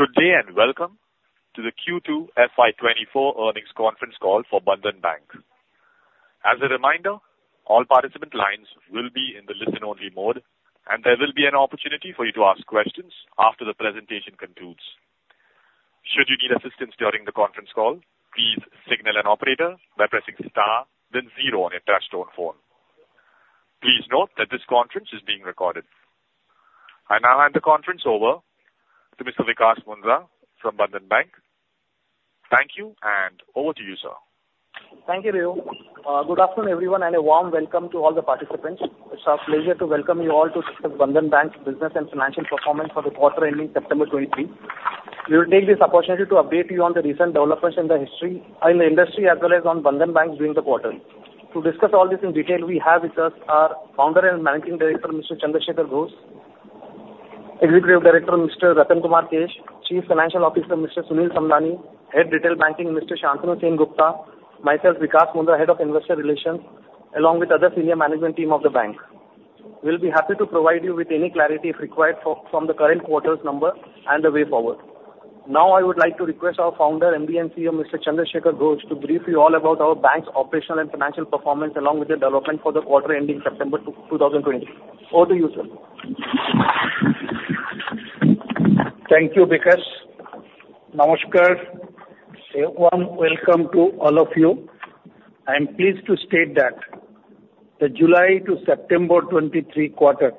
Good day, and welcome to the Q2 FY 2024 Earnings Conference Call for Bandhan Bank. As a reminder, all participant lines will be in the listen-only mode, and there will be an opportunity for you to ask questions after the presentation concludes. Should you need assistance during the conference call, please signal an operator by pressing star then zero on your touchtone phone. Please note that this conference is being recorded. I now hand the conference over to Mr. Vikash Mundra from Bandhan Bank. Thank you, and over to you, sir. Thank you, Rayo. Good afternoon, everyone, and a warm welcome to all the participants. It's our pleasure to welcome you all to discuss Bandhan Bank's business and financial performance for the quarter ending September 2023. We will take this opportunity to update you on the recent developments in the history, in the industry, as well as on Bandhan Bank during the quarter. To discuss all this in detail, we have with us our Founder and Managing Director, Mr. Chandra Shekhar Ghosh; Executive Director, Mr. Ratan Kumar Kesh; Chief Financial Officer, Mr. Sunil Samdani; Head, Retail Banking, Mr. Shantanu Sengupta; myself, Vikash Mundra, Head of Investor Relations, along with other senior management team of the bank. We'll be happy to provide you with any clarity if required from the current quarter's number and the way forward. Now, I would like to request our Founder and MD and CEO, Mr. Shekhar Ghosh, to brief you all about our bank's operational and financial performance, along with the development for the quarter ending September 30, 2023. Over to you, sir. Thank you, Vikash. Namaskar. A warm welcome to all of you. I am pleased to state that the July to September 2023 quarter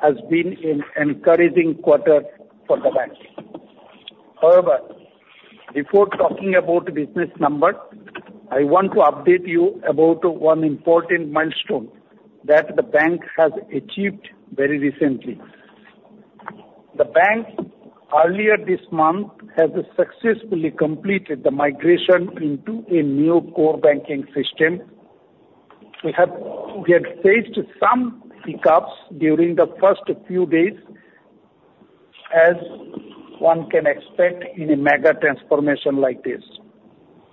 has been an encouraging quarter for the bank. However, before talking about the business numbers, I want to update you about one important milestone that the bank has achieved very recently. The bank, earlier this month, has successfully completed the migration into a new core banking system. We have, we had faced some hiccups during the first few days, as one can expect in a mega transformation like this,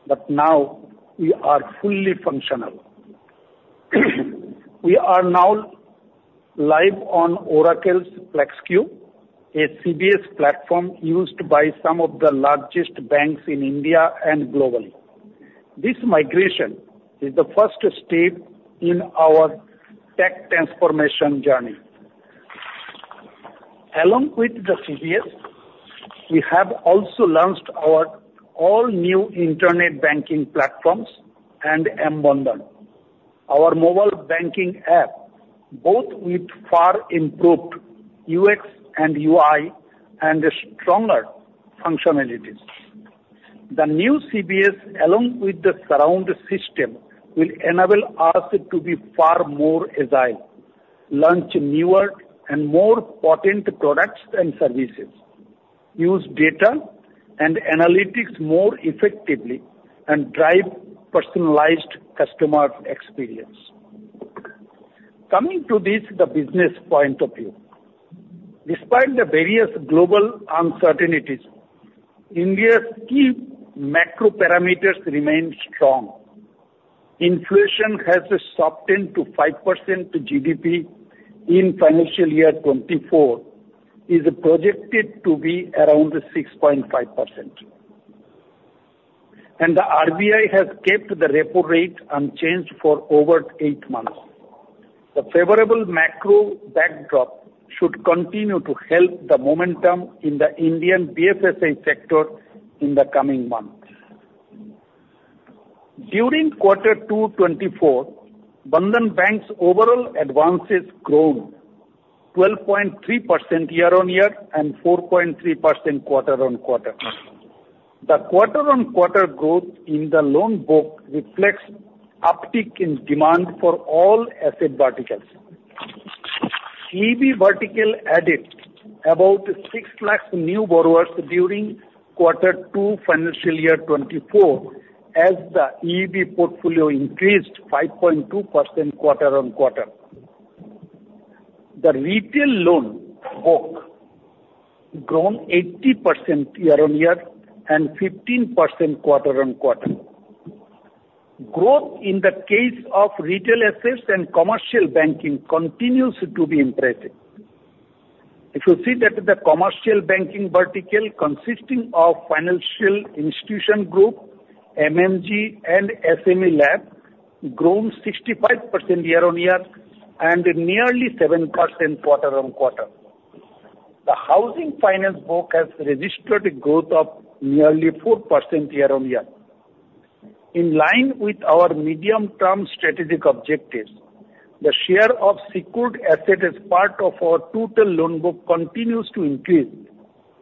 but now we are fully functional. We are now live on Oracle's FLEXCUBE, a CBS platform used by some of the largest banks in India and globally. This migration is the first step in our tech transformation journey. Along with the CBS, we have also launched our all-new internet banking platforms and mBandhan, our mobile banking app, both with far improved UX and UI and stronger functionalities. The new CBS, along with the surround system, will enable us to be far more agile, launch newer and more potent products and services, use data and analytics more effectively, and drive personalized customer experience. Coming to this, the business point of view. Despite the various global uncertainties, India's key macro parameters remain strong. Inflation has softened to 5% to GDP in financial year 2024, is projected to be around 6.5%. The RBI has kept the repo rate unchanged for over 8 months. The favorable macro backdrop should continue to help the momentum in the Indian BFSI sector in the coming months. During quarter two 2024, Bandhan Bank's overall advances growth 12.3% year-on-year and 4.3% quarter-on-quarter. The quarter-on-quarter growth in the loan book reflects uptick in demand for all asset verticals. EEB vertical added about 600,000 new borrowers during quarter two, financial year 2024, as the EEB portfolio increased 5.2% quarter-on-quarter. The retail loan book grown 80% year-on-year and 15% quarter-on-quarter. Growth in the case of retail assets and commercial banking continues to be impressive. If you see that the commercial banking vertical, consisting of financial institution group, MMG, and SME Lab, grown 65% year-on-year and nearly 7% quarter-on-quarter. The housing finance book has registered a growth of nearly 4% year-on-year. In line with our medium-term strategic objectives, the share of secured asset as part of our total loan book continues to increase.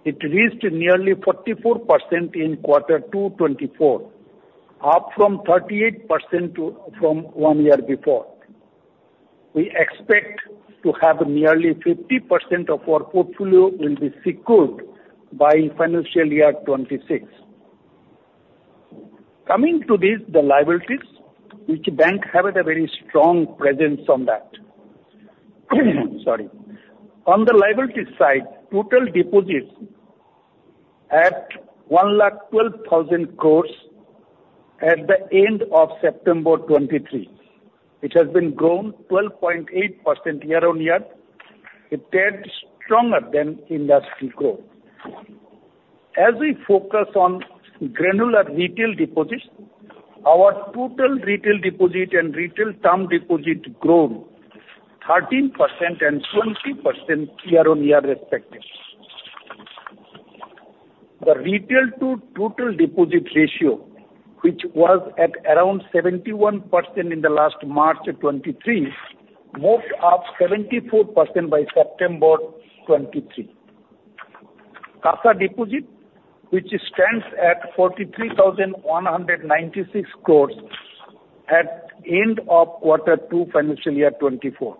It reached nearly 44% in quarter 2 2024, up from 38% from one year before. We expect to have nearly 50% of our portfolio will be secured by financial year 2026. Coming to this, the liabilities, which bank have a very strong presence on that. Sorry. On the liability side, total deposits at 1,12,000 crore at the end of September 2023, it has been grown 12.8% year-on-year, a tad stronger than industry growth. As we focus on granular retail deposits, our total retail deposit and retail term deposit grew 13% and 20% year-on-year respectively. The retail to total deposit ratio, which was at around 71% in the last March 2023, moved up 74% by September 2023. CASA deposit, which stands at 43,196 crore at end of quarter two, financial year 2024,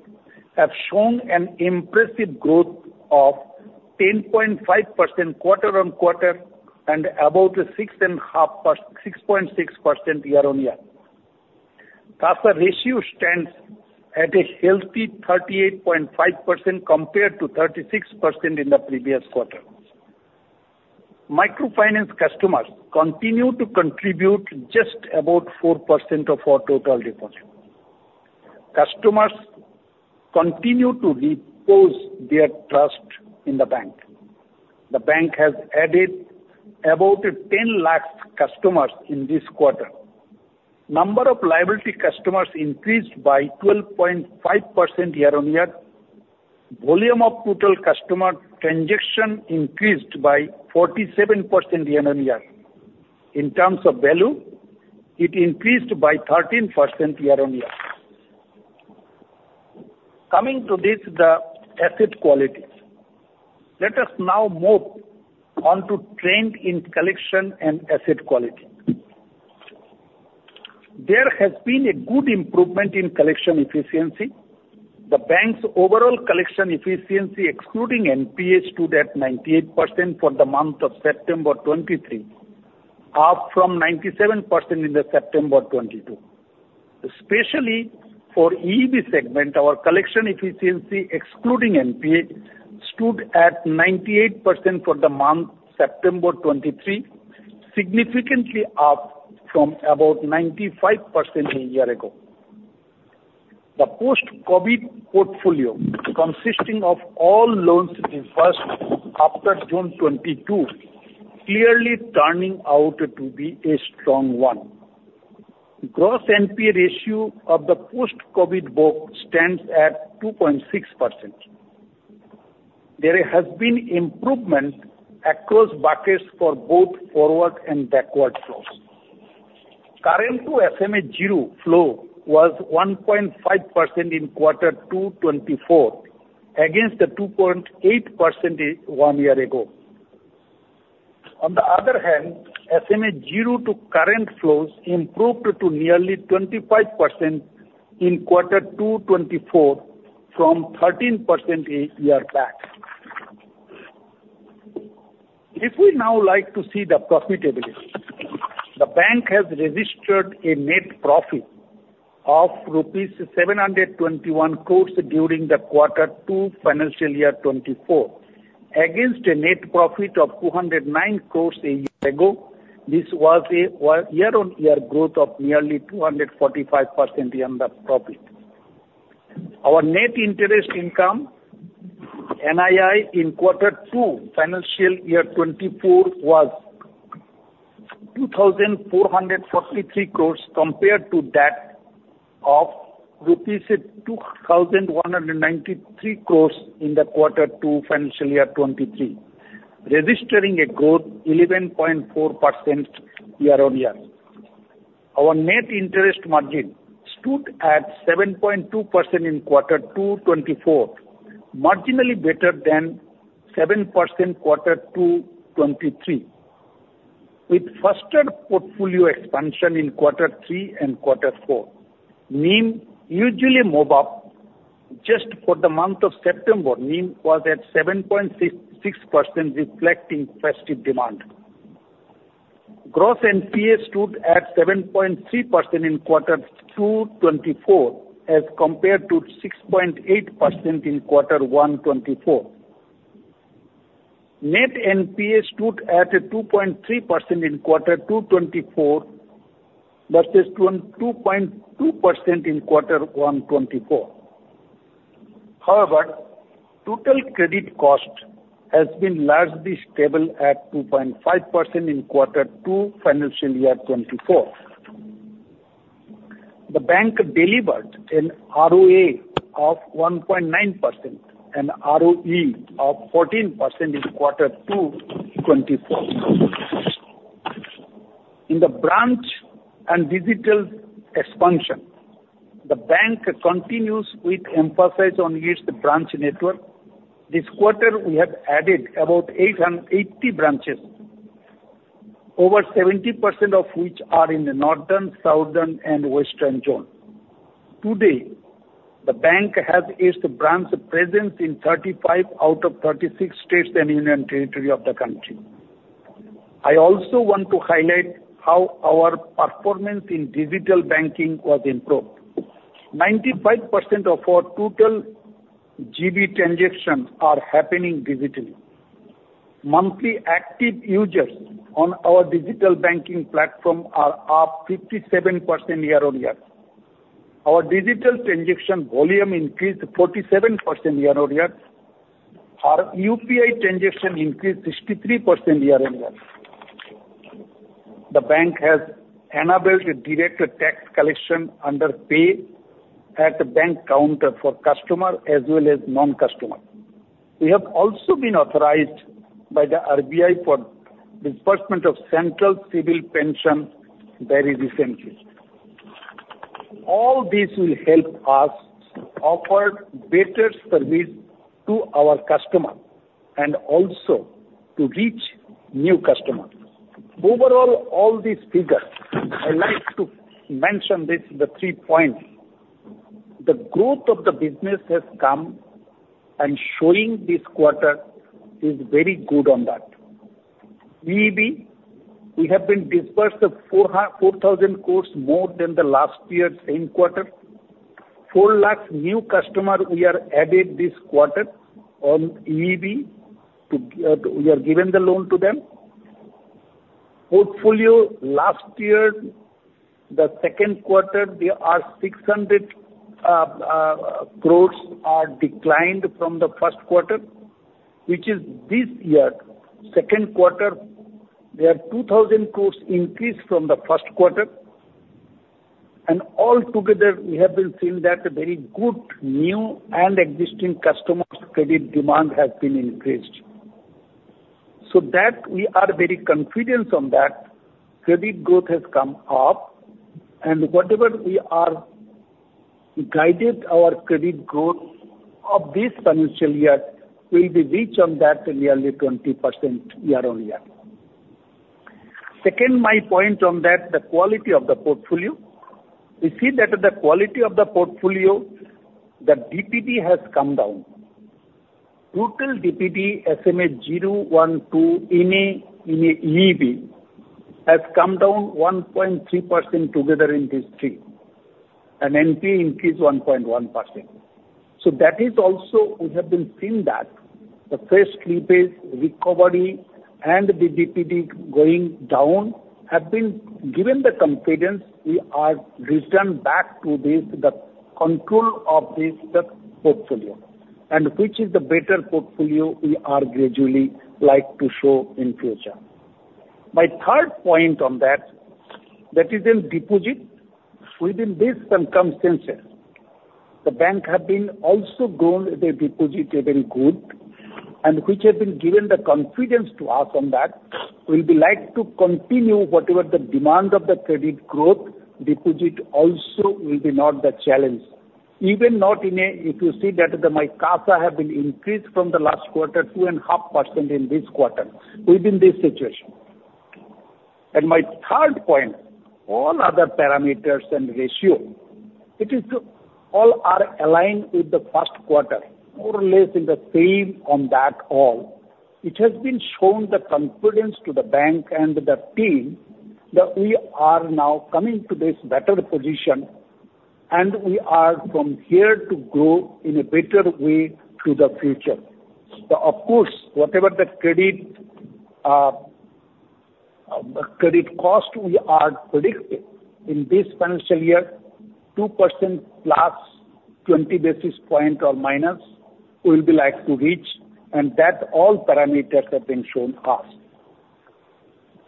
have shown an impressive growth of 10.5% quarter-on-quarter and about a 6.5%--6.6% year-on-year. CASA ratio stands at a healthy 38.5%, compared to 36% in the previous quarter. Microfinance customers continue to contribute just about 4% of our total deposit. Customers continue to repose their trust in the bank. The bank has added about 10 lakh customers in this quarter. Number of liability customers increased by 12.5% year-on-year. Volume of total customer transaction increased by 47% year-on-year. In terms of value, it increased by 13% year-on-year. Coming to this, the asset quality. Let us now move on to trend in collection and asset quality. There has been a good improvement in collection efficiency. The bank's overall collection efficiency, excluding NPAs, stood at 98% for the month of September 2023, up from 97% in the September 2022. Especially for EEB segment, our collection efficiency, excluding NPA, stood at 98% for the month September 2023, significantly up from about 95% a year ago. The post-COVID portfolio, consisting of all loans disbursed after June 2022, clearly turning out to be a strong one. Gross NPA ratio of the post-COVID book stands at 2.6%. There has been improvement across buckets for both forward and backward flows. Current to SMA zero flow was 1.5% in quarter two, 2024, against the 2.8% one year ago. On the other hand, SMA zero to current flows improved to nearly 25% in quarter two, 2024, from 13% a year back. If we now like to see the profitability, the bank has registered a net profit of rupees 721 crore during the quarter two, financial year 2024, against a net profit of 209 crore a year ago. This was a year-on-year growth of nearly 245% year on profit. Our net interest income, NII, in quarter two, financial year 2024, was 2,443 crore, compared to that of rupees 2,193 crore in the quarter two, financial year 2023, registering a growth 11.4% year-on-year. Our net interest margin stood at 7.2% in quarter two, 2024, marginally better than 7% quarter two, 2023. With faster portfolio expansion in quarter three and quarter four, NIM usually moves up. Just for the month of September, NIM was at 7.66%, reflecting festive demand. Gross NPA stood at 7.3% in quarter two, 2024, as compared to 6.8% in quarter one, 2024. Net NPA stood at 2.3% in quarter two, 2024, versus 2.2% in quarter one, 2024. However, total credit cost has been largely stable at 2.5% in quarter two, financial year 2024. The bank delivered an ROA of 1.9% and ROE of 14% in quarter two, 2024. In the branch and digital expansion, the bank continues with emphasis on its branch network. This quarter, we have added about 800 branches, over 70% of which are in the northern, southern, and western zone. Today, the bank has its branch presence in 35 out of 36 states and union territory of the country. I also want to highlight how our performance in digital banking was improved. 95% of our total GB transactions are happening digitally. Monthly active users on our digital banking platform are up 57% year-on-year. Our digital transaction volume increased 47% year-on-year. Our UPI transaction increased 63% year-on-year. The bank has enabled a direct tax collection under pay at the bank counter for customer as well as non-customer. We have also been authorized by the RBI for disbursement of central civil pension very recently. All this will help us offer better service to our customer and also to reach new customers. Overall, all these figures, I'd like to mention this, the three points. The growth of the business has come, and showing this quarter is very good on that. EEB, we have been disbursed of 4,000 crore more than the last year, same quarter. 4 lakh new customers we are added this quarter on EEB, to, we are giving the loan to them. Portfolio, last year, the Q2, there are 600 crore are declined from the Q1, which is this year, Q2, there are 2,000 crore increase from the Q1. And altogether, we have been seeing that a very good new and existing customers' credit demand has been increased. So that we are very confident on that, credit growth has come up, and whatever we are guided our credit growth of this financial year will be reached on that nearly 20% year-on-year. Second, my point on that, the quality of the portfolio. We see that the quality of the portfolio, the DPD has come down. Total DPD, SMA zero, one, two, MA, MA, EEB, has come down 1.3% together in these three, and NP increase 1.1%. So that is also, we have been seeing that the fresh slippage, recovery, and the DPD going down have been given the confidence we are returned back to this, the control of this, the portfolio, and which is the better portfolio we are gradually like to show in future. My third point on that, that is in deposit. Within these circumstances, the bank have been also grown, the deposit have been good, and which have been given the confidence to us on that, we'd be like to continue whatever the demand of the credit growth, deposit also will be not the challenge. Even in this—if you see that the, my CASA have been increased from the last quarter, 2.5% in this quarter, within this situation. My third point, all other parameters and ratio, it is—all are aligned with the Q1, more or less in the same on that all. It has been shown the confidence to the bank and the team, that we are now coming to this better position, and we are from here to grow in a better way to the future. So of course, whatever the credit credit cost we are predicting in this financial year, 2% plus 20 basis points or minus, we'll be like to reach, and that all parameters have been shown us.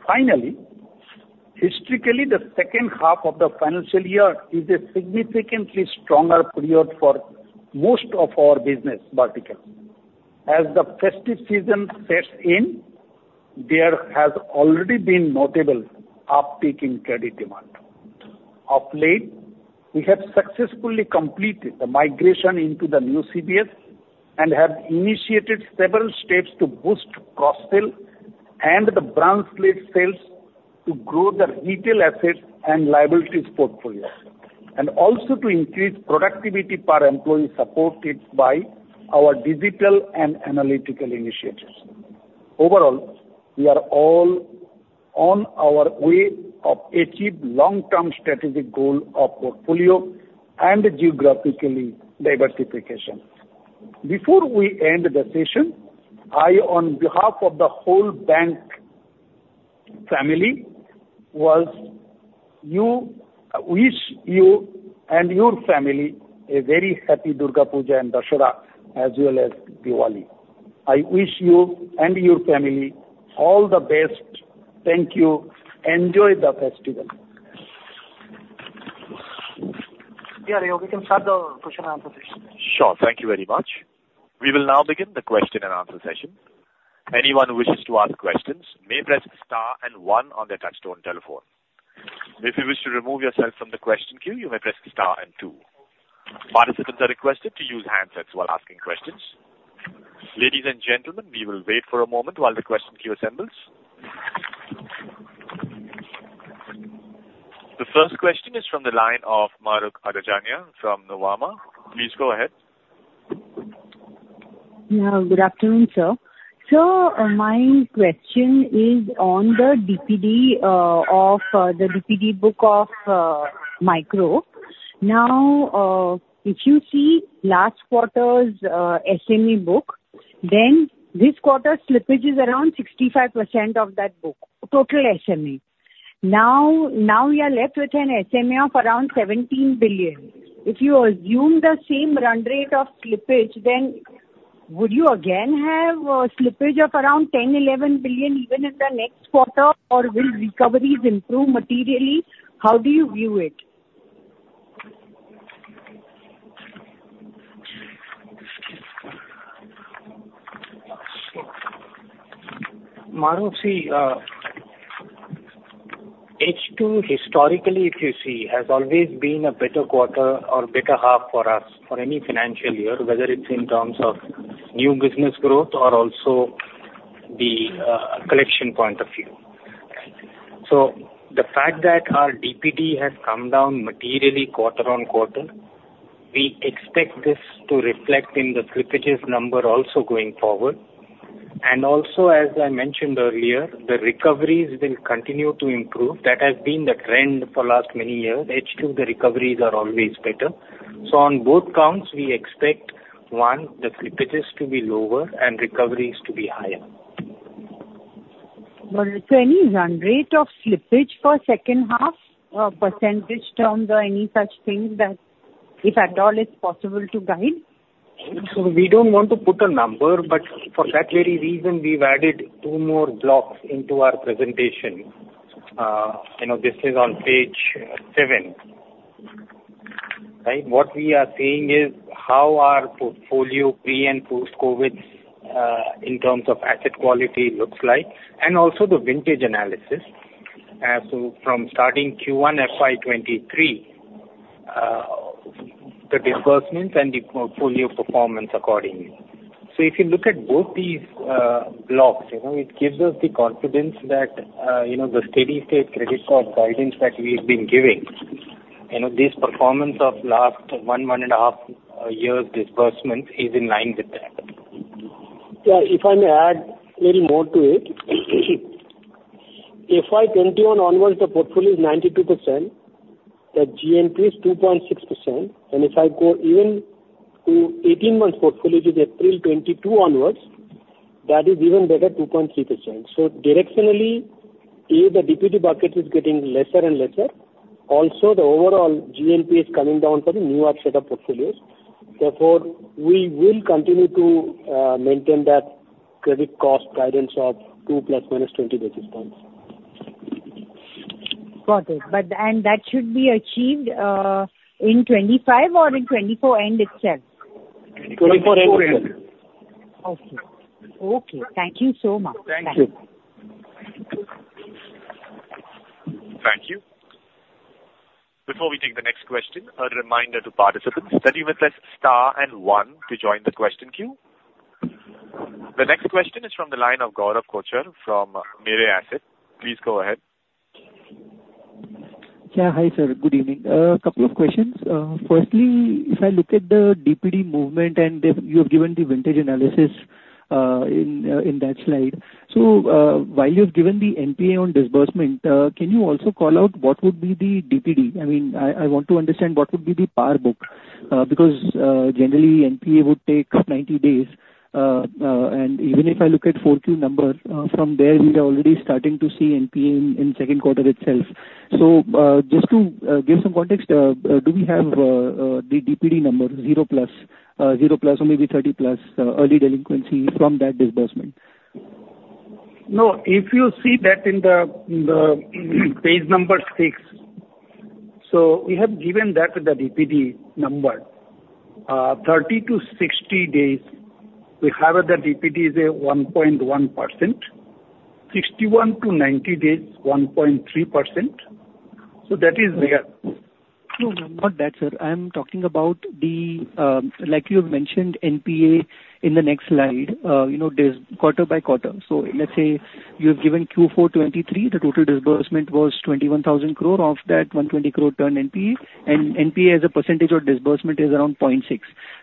Finally, historically, the 2H of the financial year is a significantly stronger period for most of our business vertical. As the festive season sets in, there has already been notable uptick in credit demand. Of late, we have successfully completed the migration into the new CBS and have initiated several steps to boost cross-sell and the branch-led sales to grow the retail assets and liabilities portfolio, and also to increase productivity per employee, supported by our digital and analytical initiatives. Overall, we are all on our way of achieve long-term strategic goal of portfolio and geographically diversification. Before we end the session, I, on behalf of the whole bank family, wish you and your family a very happy Durga Puja and Dussehra, as well as Diwali. I wish you and your family all the best. Thank you. Enjoy the festival. Yeah, we can start the question and answer session. Sure. Thank you very much. We will now begin the question and answer session. Anyone who wishes to ask questions may press star and one on their touchtone telephone. If you wish to remove yourself from the question queue, you may press star and two. Participants are requested to use handsets while asking questions. Ladies and gentlemen, we will wait for a moment while the question queue assembles. The first question is from the line of Mahrukh Adajania from Nuvama. Please go ahead. Yeah, good afternoon, sir. So my question is on the DPD of the DPD book of micro. Now, if you see last quarter's SME book, then this quarter's slippage is around 65% of that book, total SME. Now, we are left with an SME of around 17 billion. If you assume the same run rate of slippage, then would you again have a slippage of around 10-11 billion even in the next quarter? Or will recoveries improve materially? How do you view it? Mahrukh, see, H2 historically, if you see, has always been a better quarter or better half for us for any financial year, whether it's in terms of new business growth or also the, collection point of view. So the fact that our DPD has come down materially quarter-on-quarter, we expect this to reflect in the slippages number also going forward. And also, as I mentioned earlier, the recoveries will continue to improve. That has been the trend for last many years. H2, the recoveries are always better. So on both counts, we expect, one, the slippages to be lower and recoveries to be higher. But so, any run rate of slippage for 2H, percentage terms or any such thing that, if at all it's possible, to guide? So we don't want to put a number, but for that very reason, we've added 2 more blocks into our presentation. You know, this is on page 7, right? What we are saying is, how our portfolio pre- and post-COVID in terms of asset quality looks like, and also the vintage analysis. So from starting Q1 FY 2023, the disbursements and the portfolio performance accordingly. So if you look at both these blocks, you know, it gives us the confidence that, you know, the steady state credit card guidance that we've been giving, you know, this performance of last 1, 1 and a half years' disbursement is in line with that. Yeah, if I may add a little more to it. FY 2021 onwards, the portfolio is 92%, the GNPA is 2.6%, and if I go even to eighteen months portfolio to the April 2022 onwards, that is even better, 2.3%. So directionally, the DPD bucket is getting lesser and lesser. Also, the overall GNPA is coming down for the new offset of portfolios. Therefore, we will continue to maintain that credit cost guidance of 2 ± 20 basis points. Got it. But and that should be achieved in 2025 or in 2024 end itself? 2024, end. 2024, end. Okay. Okay, thank you so much. Thank you. Thank you. Before we take the next question, a reminder to participants that you must press star and one to join the question queue. The next question is from the line of Gaurav Kochar from Mirae Asset. Please go ahead. Yeah. Hi, sir, good evening. Couple of questions. Firstly, if I look at the DPD movement, and if you have given the vintage analysis, in that slide. So, while you have given the NPA on disbursement, can you also call out what would be the DPD? I mean, I want to understand what would be the par book, because generally, NPA would take 90 days. And even if I look at four key numbers, from there, we are already starting to see NPA in Q2 itself. So, just to give some context, do we have the DPD number, 0+, 0+ or maybe 30+, early delinquency from that disbursement? No, if you see that in the page six, so we have given that the DPD number. 30 to 60 days, we have the DPD is 1.1%. 61 to 90 days, 1.3%. So that is there. No, not that, sir. I am talking about the, like you have mentioned, NPA in the next slide, you know, quarter by quarter. So let's say you have given Q4 2023, the total disbursement was 21,000 crore. Of that, 120 crore turned NPA, and NPA as a percentage of disbursement is around 0.6%.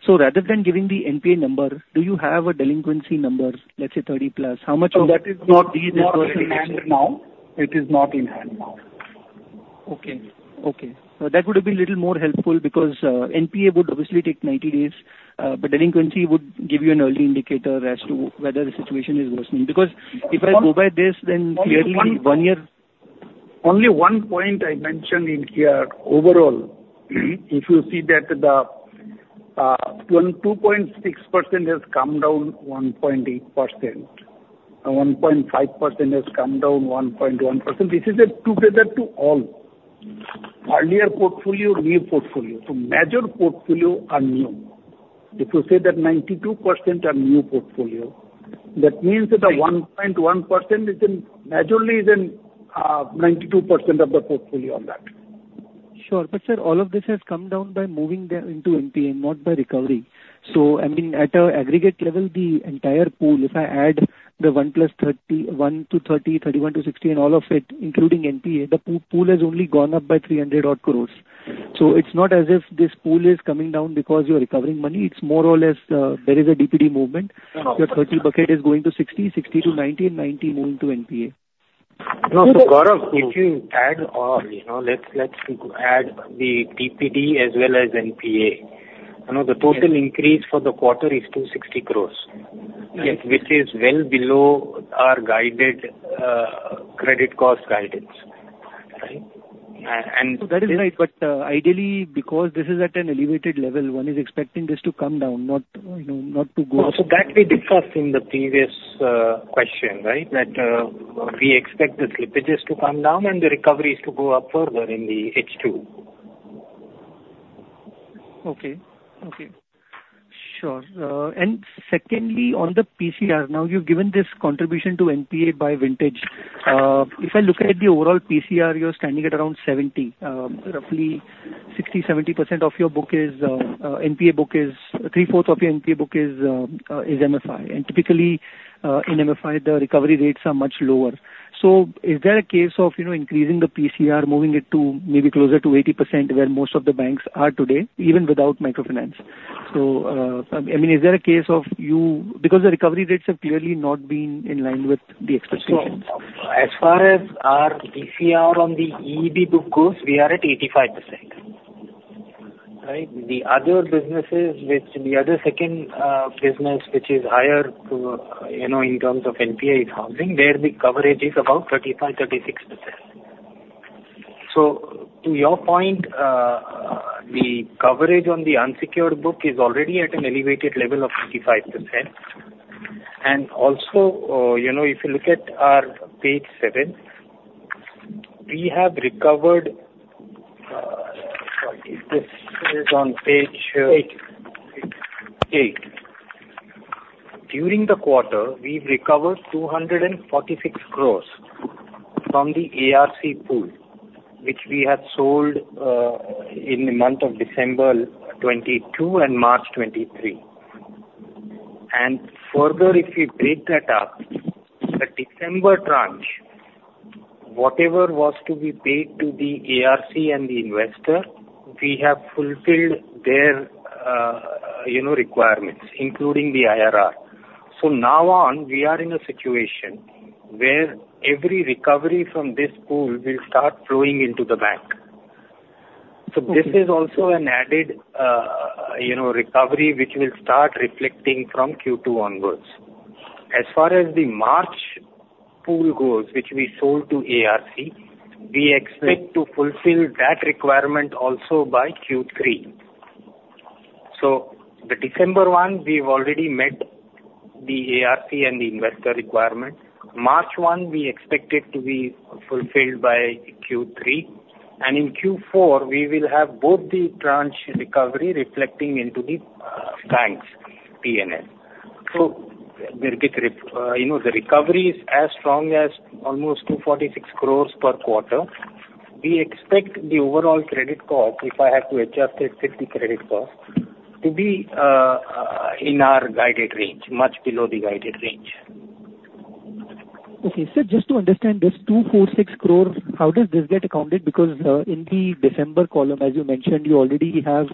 So rather than giving the NPA number, do you have a delinquency number, let's say 30+? How much of that- That is not, not in hand now. It is not in hand now. Okay. Okay. That would have been a little more helpful because NPA would obviously take 90 days, but delinquency would give you an early indicator as to whether the situation is worsening. Because if I go by this, then clearly 1 year- Only one point I mentioned in here, overall, if you see that the, 22.6% has come down 1.8%, and 1.5% has come down 1.1%. This is a together to all. Earlier portfolio, new portfolio. So major portfolio are new. If you say that 92% are new portfolio, that means that the 1.1% is in, majorly is in, 92% of the portfolio of that. Sure. But sir, all of this has come down by moving them into NPA, not by recovery. So, I mean, at an aggregate level, the entire pool, if I add the 1+30, 1-30, 31-60, and all of it, including NPA, the pool has only gone up by 300-odd crore. So it's not as if this pool is coming down because you're recovering money, it's more or less, there is a DPD movement. Your 30 bucket is going to 60, 60 to 90, and 90 moving to NPA. ...No, so Gaurav, if you add or, you know, let's, let's add the TPD as well as NPA, you know, the total increase for the quarter is 260 crore. Yes. Which is well below our guided credit cost guidance, right? And, That is right, but, ideally, because this is at an elevated level, one is expecting this to come down, not, you know, not to go up. So that we discussed in the previous question, right? That we expect the slippages to come down and the recoveries to go up further in the H2. Okay. Okay, sure. And secondly, on the PCR, now, you've given this contribution to NPA by vintage. If I look at the overall PCR, you're standing at around 70%, roughly 60%-70% of your book is NPA. 3/4 of your NPA book is MFI. And typically, in MFI, the recovery rates are much lower. So is there a case of, you know, increasing the PCR, moving it to maybe closer to 80%, where most of the banks are today, even without microfinance? So, I mean, is there a case of you... Because the recovery rates have clearly not been in line with the expectations. So as far as our PCR on the EEB book goes, we are at 85%, right? The other businesses which, the other second business, which is higher, you know, in terms of NPA is housing, there the coverage is about 35%-36%. So to your point, the coverage on the unsecured book is already at an elevated level of 55%. And also, you know, if you look at our page 7, we have recovered, this is on page- Eight. Eight. During the quarter, we've recovered 246 crore from the ARC pool, which we had sold in the month of December 2022 and March 2023. And further, if we break that up, the December tranche, whatever was to be paid to the ARC and the investor, we have fulfilled their, you know, requirements, including the IRR. So now on, we are in a situation where every recovery from this pool will start flowing into the bank. Okay. So this is also an added, you know, recovery, which will start reflecting from Q2 onwards. As far as the March pool goes, which we sold to ARC, we expect to fulfill that requirement also by Q3. So the December one, we've already met the ARC and the investor requirement. March one, we expect it to be fulfilled by Q3, and in Q4, we will have both the tranche recovery reflecting into the, bank's P&L. So we'll get, you know, the recovery is as strong as almost 246 crore per quarter. We expect the overall credit cost, if I have to adjust this 50 credit cost, to be, in our guided range, much below the guided range. Okay. Sir, just to understand, this 246 crore, how does this get accounted? Because, in the December column, as you mentioned, you already have,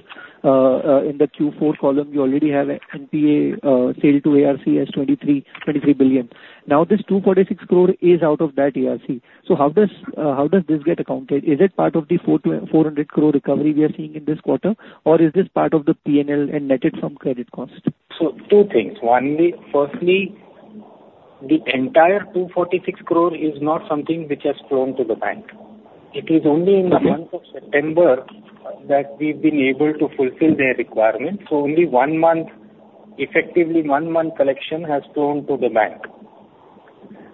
in the Q4 column, you already have NPA sale to ARC as 23 billion. Now, this 246 crore is out of that ARC. So how does this get accounted? Is it part of the four twen- 400 crore recovery we are seeing in this quarter, or is this part of the P&L and netted from credit cost? So two things. One, firstly, the entire 246 crore is not something which has flown to the bank. It is only in the month of September that we've been able to fulfill their requirements. So only one month, effectively one month collection, has flown to the bank,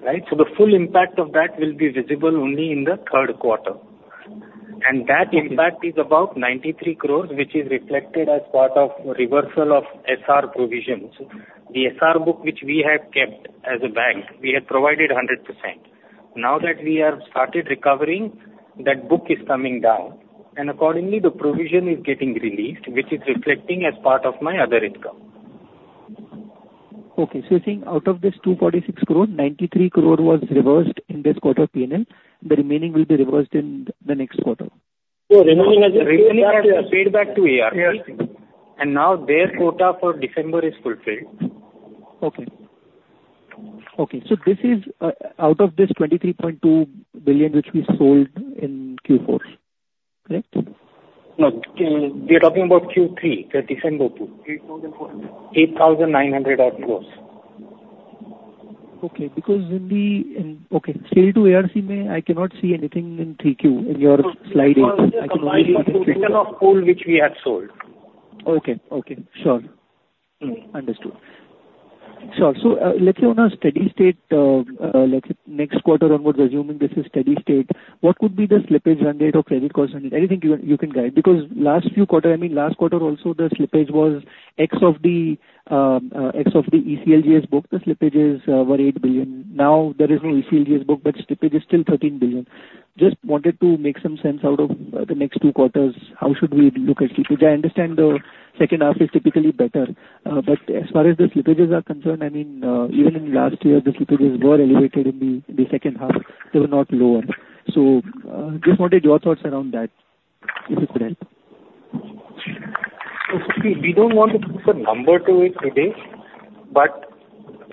right? So the full impact of that will be visible only in the Q3. Okay. That impact is about 93 crore, which is reflected as part of reversal of SR provisions. The SR book, which we had kept as a bank, we had provided 100%. Now that we have started recovering, that book is coming down, and accordingly, the provision is getting released, which is reflecting as part of my other income. Okay. So you're saying out of this 246 crore, 93 crore was reversed in this quarter P&L, the remaining will be reversed in the next quarter? Remaining has paid back to ARC, and now their quota for December is fulfilled. Okay. Okay, so this is, out of this 23.2 billion, which we sold in Q4, correct? No, we are talking about Q3, the December 2022. 8,004 INR 8,900-odd crore. Okay, because in the sale to ARC, maybe I cannot see anything in 3Q in your slide 8. Okay. Okay, sure. Understood. So, let's say on a steady state, like next quarter onwards, assuming this is steady state, what could be the slippage run rate or credit cost run rate? Anything you can guide? Because last few quarter, I mean, last quarter also, the slippage was X of the, X of the ECLGS book, the slippage is over 8 billion. Now, there is no ECLGS book, but slippage is still 13 billion. Just wanted to make some sense out of the next two quarters. How should we look at slippage? I understand the 2H is typically better, but as far as the slippages are concerned, I mean, even in last year, the slippages were elevated in the 2H, they were not lower. So, just wanted your thoughts around that, if you could help.... So we don't want to put a number to it today, but,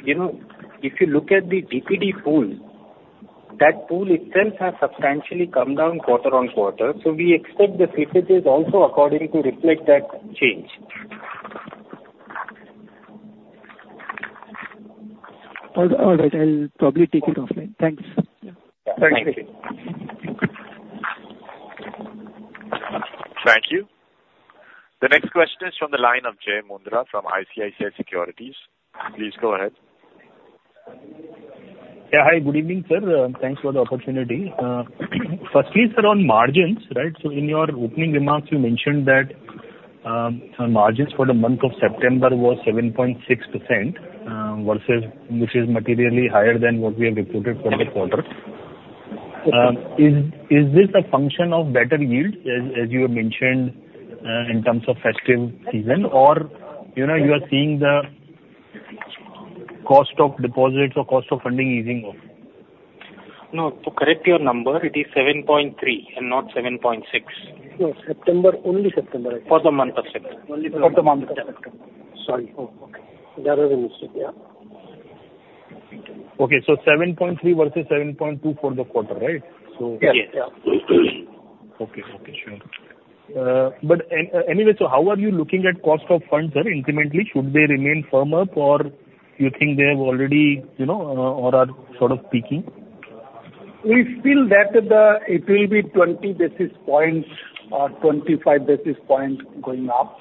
you know, if you look at the DPD pool, that pool itself has substantially come down quarter-on-quarter, so we expect the slippages also accordingly to reflect that change. All, all right. I'll probably take it offline. Thanks. Thank you. Thank you. The next question is from the line of Jay Mundra from ICICI Securities. Please go ahead. Yeah, hi, good evening, sir. Thanks for the opportunity. Firstly, sir, on margins, right? So in your opening remarks, you mentioned that, margins for the month of September was 7.6%, versus which is materially higher than what we have reported for the quarter. Is, is this a function of better yield, as, as you have mentioned, in terms of festive season? Or, you know, you are seeing the cost of deposits or cost of funding easing off? No, to correct your number, it is 7.3 and not 7.6. No, September, only September. For the month of September. Only for- For the month of September. Sorry. Oh, okay. That was a mistake, yeah. Okay, so 7.3 versus 7.2 for the quarter, right? So- Yes. Yeah. Okay, okay, sure. But anyway, so how are you looking at cost of funds, sir, incrementally? Should they remain firm up, or you think they have already, you know, or are sort of peaking? We feel that it will be 20 basis points or 25 basis points going up,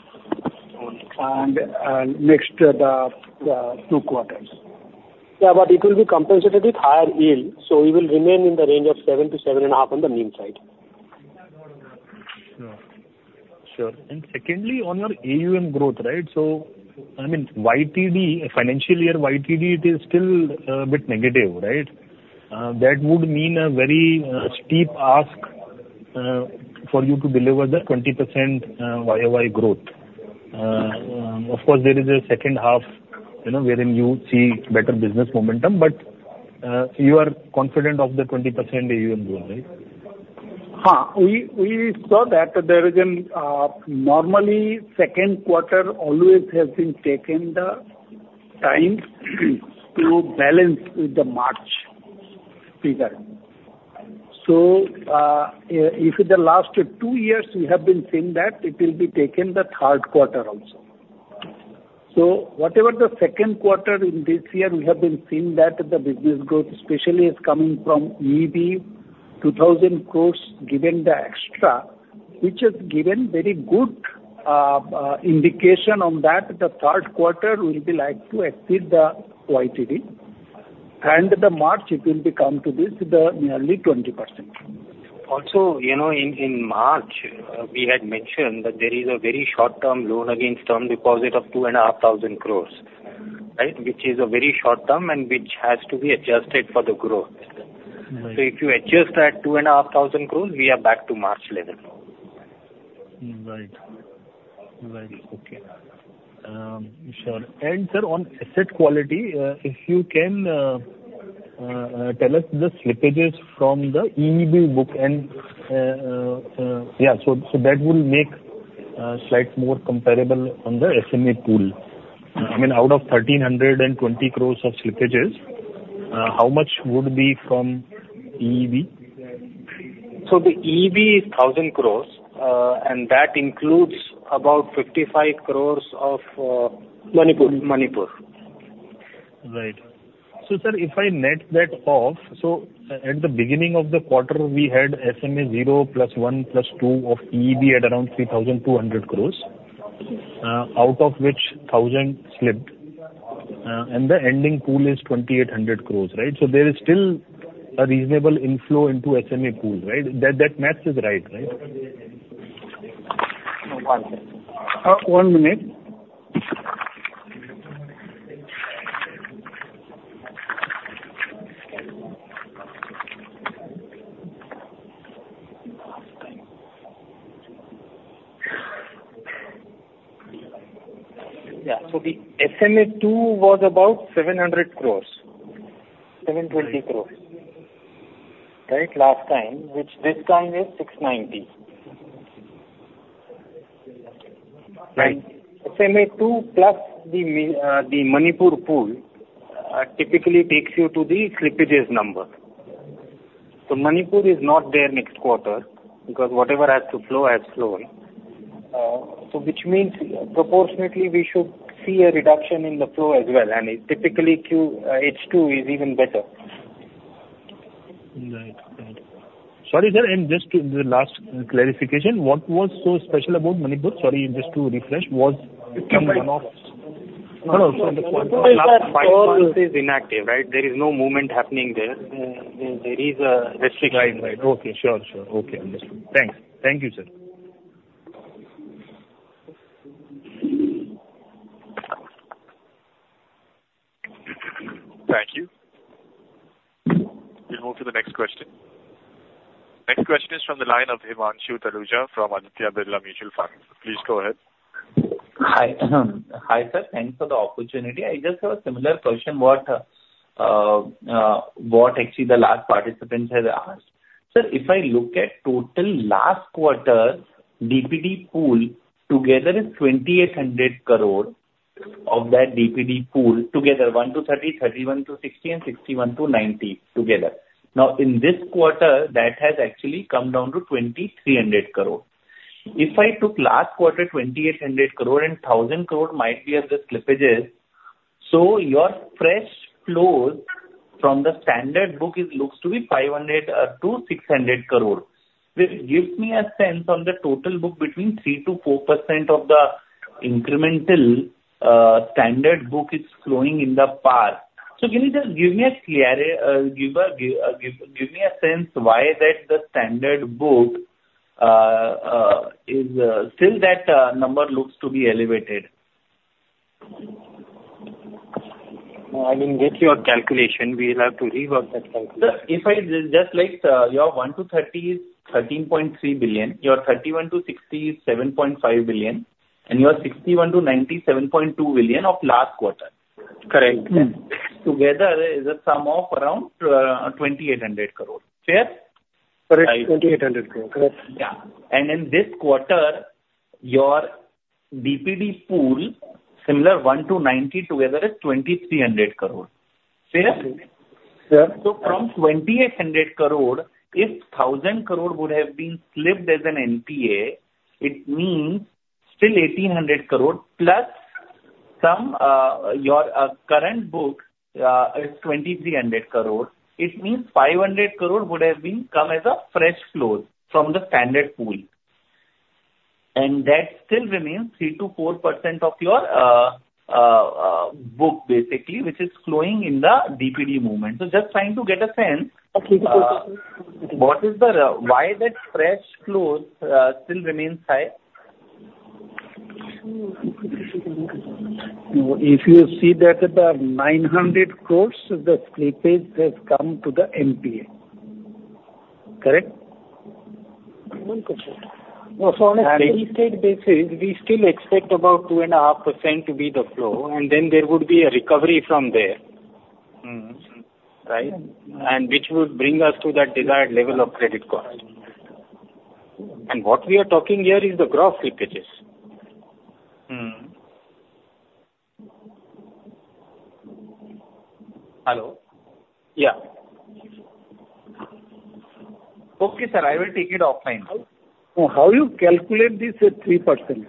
and next 2 quarters. Yeah, but it will be compensated with higher yield, so we will remain in the range of 7-7.5 on the mean side. Sure. Sure, and secondly, on your AUM growth, right? So, I mean, YTD, financial year YTD, it is still a bit negative, right? That would mean a very steep ask for you to deliver the 20% YOY growth. Of course, there is a 2H, you know, wherein you see better business momentum, but you are confident of the 20% AUM growth, right? We saw that there is an normally, Q2 always has been taken the time to balance the March figure. So, if the last two years we have been seeing that, it will be taken the Q3 also. So whatever the Q2 in this year, we have been seeing that the business growth especially is coming from EEV, 2,000 crore, given the extra, which has given very good indication on that. The Q3 will be like to exceed the YTD, and the March it will become to this, the nearly 20%. Also, you know, in March, we had mentioned that there is a very short-term loan against term deposit of 2,500 crore, right? Which is a very short term and which has to be adjusted for the growth. Right. If you adjust that 2,500 crore, we are back to March level. Right. Right. Okay. Sure. And sir, on asset quality, if you can tell us the slippages from the EEB book and... Yeah, so, so that will make slight more comparable on the SMA pool. I mean, out of 1,320 crore of slippages, how much would be from EEB? The EEV is 1,000 crore, and that includes about 55 Crore of, Manipur. Manipur. Right. So, sir, if I net that off, at the beginning of the quarter, we had SMA-0 + SMA-1 + SMA-2 of EEB at around 3,200 crore, out of which 1,000 crore slipped, and the ending pool is 2,800 crore, right? So there is still a reasonable inflow into SMA pool, right? That math is right, right? One minute. Yeah. So the SMA two was about INR 700 crore, 720 crore, right? Last time, which this time is 690. Right. SMA two, plus the Manipur pool, typically takes you to the slippages number. So Manipur is not there next quarter because whatever has to flow has flown. So which means proportionately, we should see a reduction in the flow as well, and it typically H2 is even better. Right. Right. Sorry, sir, and just the last clarification, what was so special about Manipur? Sorry, just to refresh, what came out of... No, no, so the point is inactive, right? There is no movement happening there. There is a restriction. Right. Right. Okay. Sure, sure. Okay, understood. Thanks. Thank you, sir. Thank you. We'll move to the next question. Next question is from the line of Himanshu Taluja from Aditya Birla Mutual Fund. Please go ahead. Hi. Hi, sir. Thanks for the opportunity. I just have a similar question, what actually the last participant has asked.... Sir, if I look at total last quarter, DPD pool together is 2,800 crore of that DPD pool together, 1-30, 31-60, and 61-90 together. Now, in this quarter, that has actually come down to 2,300 crore. If I took last quarter, 2,800 crore and 1,000 crore might be of the slippages, so your fresh flows from the standard book, it looks to be 500-600 crore. This gives me a sense on the total book between 3%-4% of the incremental standard book is flowing in the path. So can you just give me a clarity, give me a sense why that the standard book is still that number looks to be elevated? I mean, with your calculation, we'll have to rework that calculation. Sir, if I just like, your 1-30 is 13.3 billion, your 31-60 is 7.5 billion, and your 61-90, 7.2 billion of last quarter. Correct. Together, is a sum of around 2,800 crore. Fair? Correct, 2,800 crore, correct. Yeah. And in this quarter, your DPD pool, SMA 1-90 together is 2,300 crore. Fair? Yeah. From 2,800 crore, if 1,000 crore would have been slipped as an NPA, it means still 1,800 crore plus some, your current book is 2,300 crore. It means 500 crore would have been come as a fresh flow from the standard pool, and that still remains 3%-4% of your book basically, which is flowing in the DPD movement. So just trying to get a sense- Okay. What is the why that fresh flow still remains high? If you see that the 900 crore, the slippage has come to the NPA. Correct? No, so on a steady state basis, we still expect about 2.5% to be the flow, and then there would be a recovery from there. Right? And which would bring us to that desired level of credit cost. And what we are talking here is the gross slippages. Hello? Yeah. Okay, sir, I will take it offline. How you calculate this at 3%?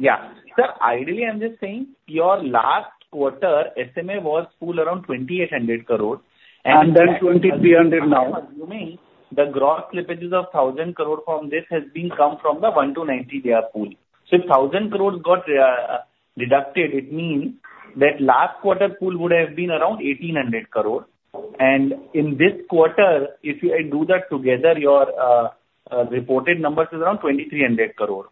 Yeah. Sir, ideally, I'm just saying your last quarter SMA was full around 2,800 crore, and- And then 2,300 now. I'm assuming the gross slippages of 1,000 crore from this has been come from the 1-90-day pool. So if 1,000 crores got deducted, it means that last quarter pool would have been around 1,800 crore. And in this quarter, if I do that together, your reported numbers is around 2,300 crore.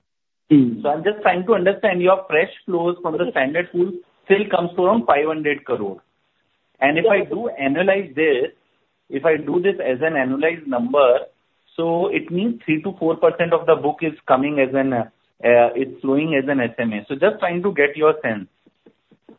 So I'm just trying to understand, your fresh flows from the standard pool still comes to around 500 crore. And if I do analyze this, if I do this as an analyzed number, so it means 3%-4% of the book is coming as an, it's flowing as an SMA. So just trying to get your sense.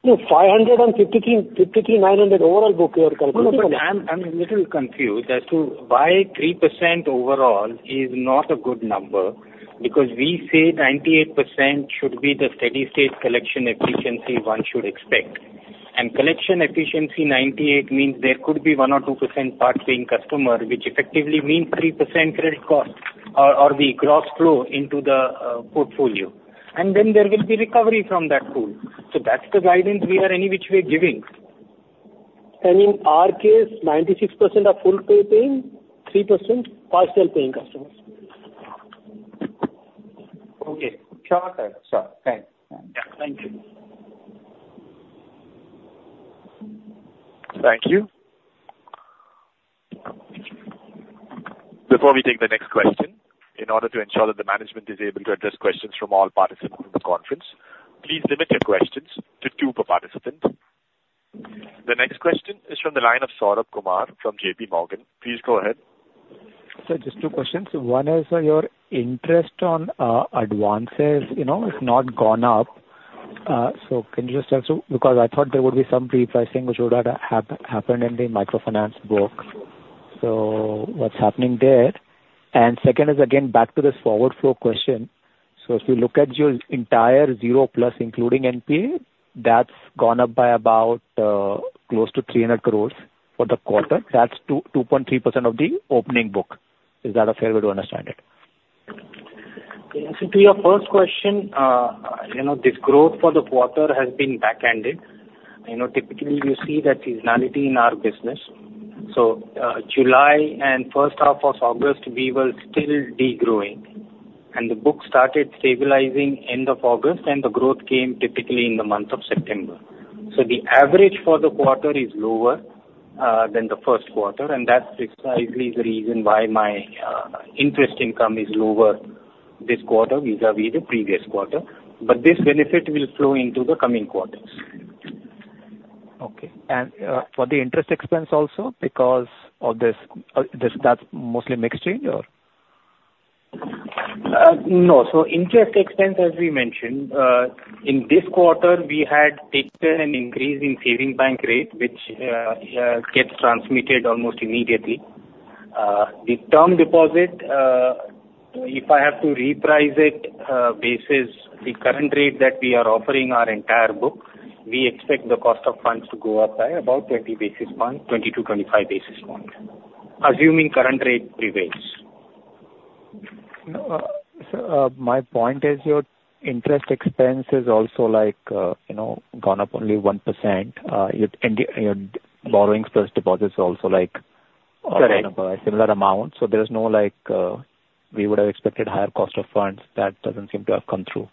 No, 553, 53, 900, overall book you are calculating. No, but I'm, I'm a little confused as to why 3% overall is not a good number, because we say 98% should be the steady state collection efficiency one should expect. And collection efficiency 98% means there could be 1%-2% part-paying customer, which effectively means 3% credit cost or, or the gross flow into the portfolio. And then there will be recovery from that pool. So that's the guidance we are any which way giving. And in our case, 96% are full pay paying, 3% partial paying customers. Okay. Sure, sir. Sure. Thanks. Yeah, thank you. Thank you. Before we take the next question, in order to ensure that the management is able to address questions from all participants in the conference, please limit your questions to two per participant. The next question is from the line of Saurabh Kumar from JP Morgan. Please go ahead. Sir, just two questions. One is, your interest on advances, you know, has not gone up. So can you just tell us, because I thought there would be some repricing which would happen in the microfinance book. So what's happening there? And second is again, back to this forward flow question. So if you look at your entire zero plus, including NPA, that's gone up by about close to 300 crore for the quarter. That's 2.3% of the opening book. Is that a fair way to understand it? So to your first question, you know, this growth for the quarter has been backended. You know, typically, you see that seasonality in our business. So, July and 1H of August, we were still degrowing, and the book started stabilizing end of August, and the growth came typically in the month of September. So the average for the quarter is lower than the Q1, and that's precisely the reason why my interest income is lower this quarter vis-a-vis the previous quarter. But this benefit will flow into the coming quarters. Okay. And, for the interest expense also, because of this, that's mostly mixed change, or?... No. So interest expense, as we mentioned, in this quarter, we had taken an increase in savings bank rate, which gets transmitted almost immediately. The term deposit, if I have to reprice it, basis the current rate that we are offering our entire book, we expect the cost of funds to go up by about 30 basis points, 20-25 basis points, assuming current rate prevails. No, so, my point is your interest expense is also like, you know, gone up only 1%. Your borrowings plus deposits are also like- Correct. A similar amount. So there is no like, we would have expected higher cost of funds. That doesn't seem to have come through.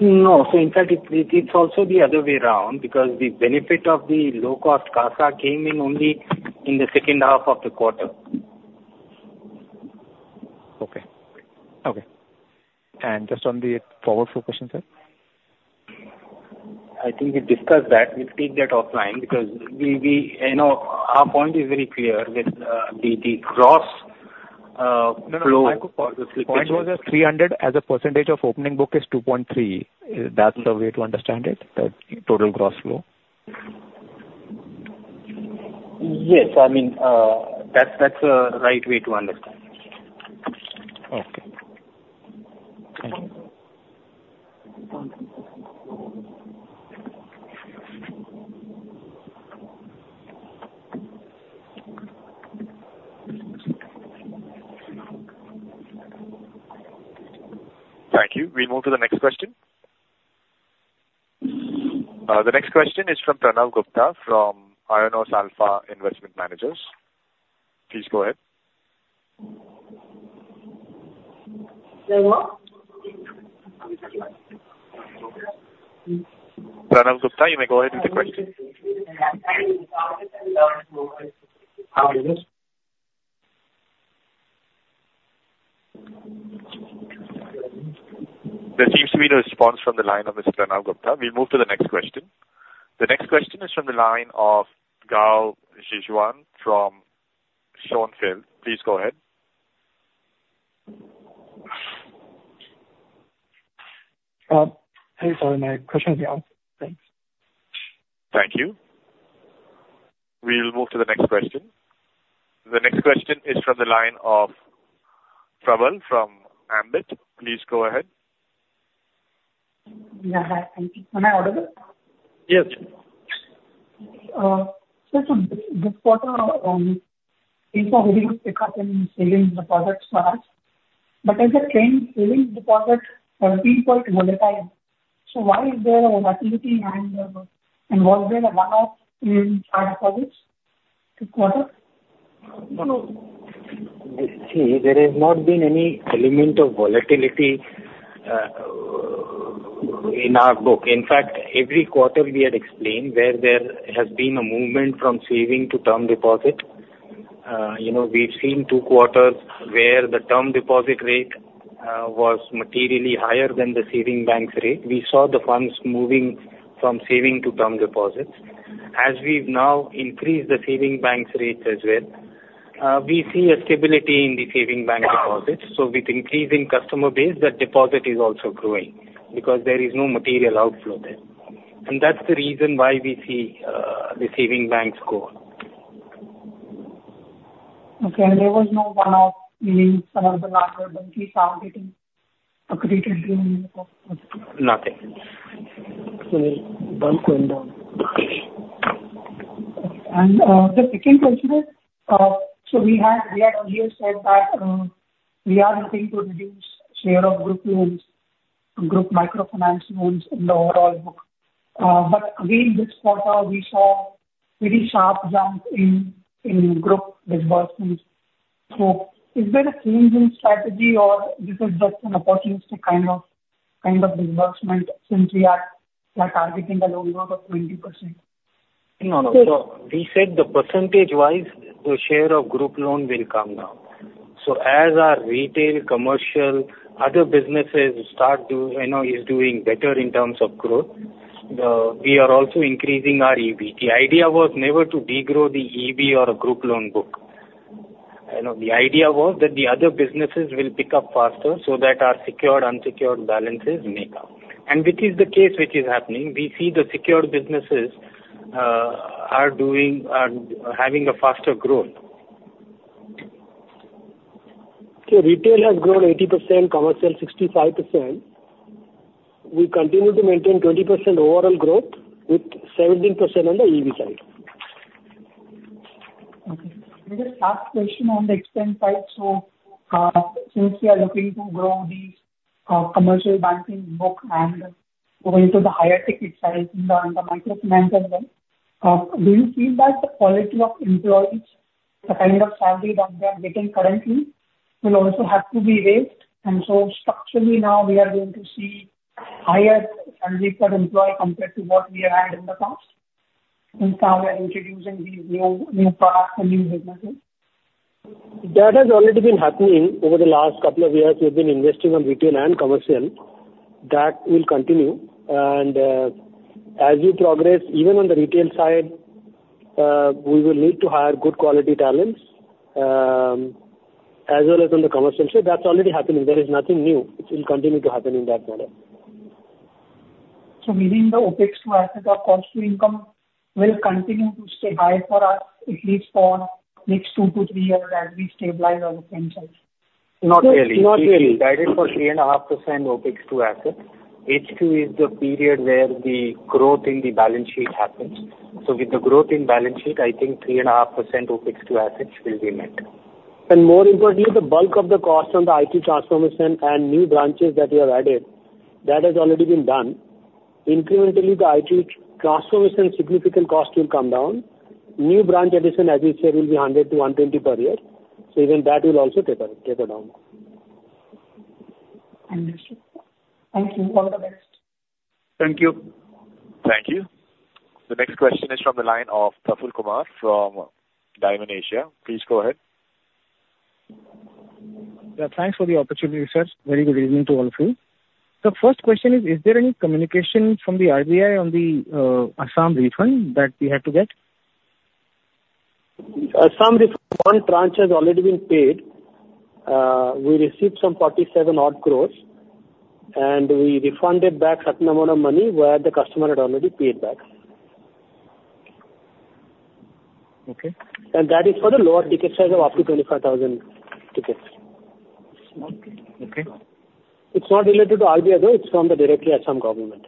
No. So in fact, it, it's also the other way around, because the benefit of the low-cost cost came in only in the 2H of the quarter. Okay. Okay. Just on the forward flow question, sir? I think we discussed that. We'll take that offline, because we... You know, our point is very clear with the gross flow- No, no. Point was at 300, as a percentage of opening book is 2.3%. Is that the way to understand it, the total gross flow? Yes. I mean, that's, that's the right way to understand it. Okay. Thank you. Thank you. We move to the next question. The next question is from Pranav Gupta, from Aionios Alpha Investment Managers. Please go ahead. Hello? Pranav Gupta, you may go ahead with the question. There seems to be no response from the line of Mr. Pranav Gupta. We'll move to the next question. The next question is from the line of Gao zhixuan from Schonfeld. Please go ahead. Hey, sorry, my question is gone. Thanks. Thank you. We will move to the next question. The next question is from the line of Prabal from Ambit. Please go ahead. Yeah, hi. Thank you. Am I audible? Yes. This quarter, we saw very good pickup in savings deposits for us. As a trend, savings deposits are pretty volatile, so why is there a volatility and was there a one-off in our deposits this quarter? No, no. You see, there has not been any element of volatility in our book. In fact, every quarter we had explained where there has been a movement from savings to term deposit. You know, we've seen two quarters where the term deposit rate was materially higher than the savings bank's rate. We saw the funds moving from savings to term deposits. As we've now increased the savings bank's rates as well, we see a stability in the savings bank deposits. So with increasing customer base, that deposit is also growing because there is no material outflow there, and that's the reason why we see the savings bank score. Okay, and there was no one-off in some of the larger bulky targeting, accretively? Nothing. So bulk went down. Okay. The pick-up in consumer, so we had earlier said that we are looking to reduce share of group loans, group microfinance loans in the overall book. But again, this quarter, we saw very sharp jump in group disbursements. So is there a change in strategy, or this is just an opportunistic kind of disbursement, since we are, like, targeting the loan growth of 20%? No, no. So we said the percentage-wise, the share of group loan will come down. So as our retail, commercial, other businesses start to, you know, is doing better in terms of growth, we are also increasing our EB. The idea was never to degrow the EB or a group loan book. You know, the idea was that the other businesses will pick up faster so that our secured, unsecured balances make up. And which is the case which is happening. We see the secured businesses are doing, are having a faster growth. So retail has grown 80%, commercial 65%. We continue to maintain 20% overall growth, with 17% on the EV side. Okay. Just last question on the expense side. So, since we are looking to grow the commercial banking book and go into the higher ticket side and the microfinance as well, do you feel that the quality of employees, the kind of salary that they are getting currently, will also have to be raised? And so structurally now we are going to see higher salary per employee compared to what we had in the past, since now we are introducing the new, new products and new businesses. That has already been happening over the last couple of years. We've been investing on retail and commercial. That will continue. And, as we progress, even on the retail side, we will need to hire good quality talents, as well as on the commercial side. That's already happening. There is nothing new. It will continue to happen in that manner. So meaning the OpEx to asset or cost to income will continue to stay high for us, at least for next 2-3 years as we stabilize on the front side? Not really. Not really. We guided for 3.5% OpEx to asset. H2 is the period where the growth in the balance sheet happens. So with the growth in balance sheet, I think 3.5% OpEx to assets will be met. More importantly, the bulk of the cost on the IT transformation and new branches that we have added, that has already been done. Incrementally, the IT transformation significant cost will come down. New branch addition, as we said, will be 100-120 per year, so even that will also taper, taper down. Understood. Thank you. All the best. Thank you. Thank you. The next question is from the line of Praful Kumar from Dymon Asia. Please go ahead. Yeah, thanks for the opportunity, sir. Very good evening to all of you. The first question is, is there any communication from the RBI on the Assam refund that we had to get? Assam refund, 1 tranche has already been paid. We received some 47-odd crores, and we refunded back certain amount of money where the customer had already paid back. Okay. That is for the lower ticket size of up to 25,000 tickets. Okay. Okay. It's not related to RBI, though. It's from the directly Assam government.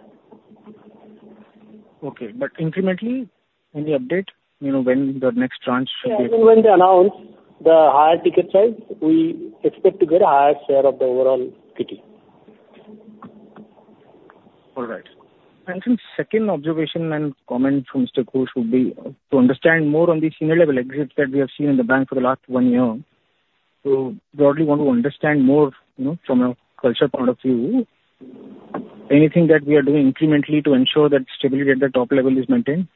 Okay, but incrementally, any update, you know, when the next tranche should be? Yeah, when they announce the higher ticket size, we expect to get a higher share of the overall kitty. All right. Some second observation and comment from Mr. Kesh will be to understand more on the senior level exits that we have seen in the bank for the last one year. Broadly, want to understand more, you know, from a culture point of view. Anything that we are doing incrementally to ensure that stability at the top level is maintained?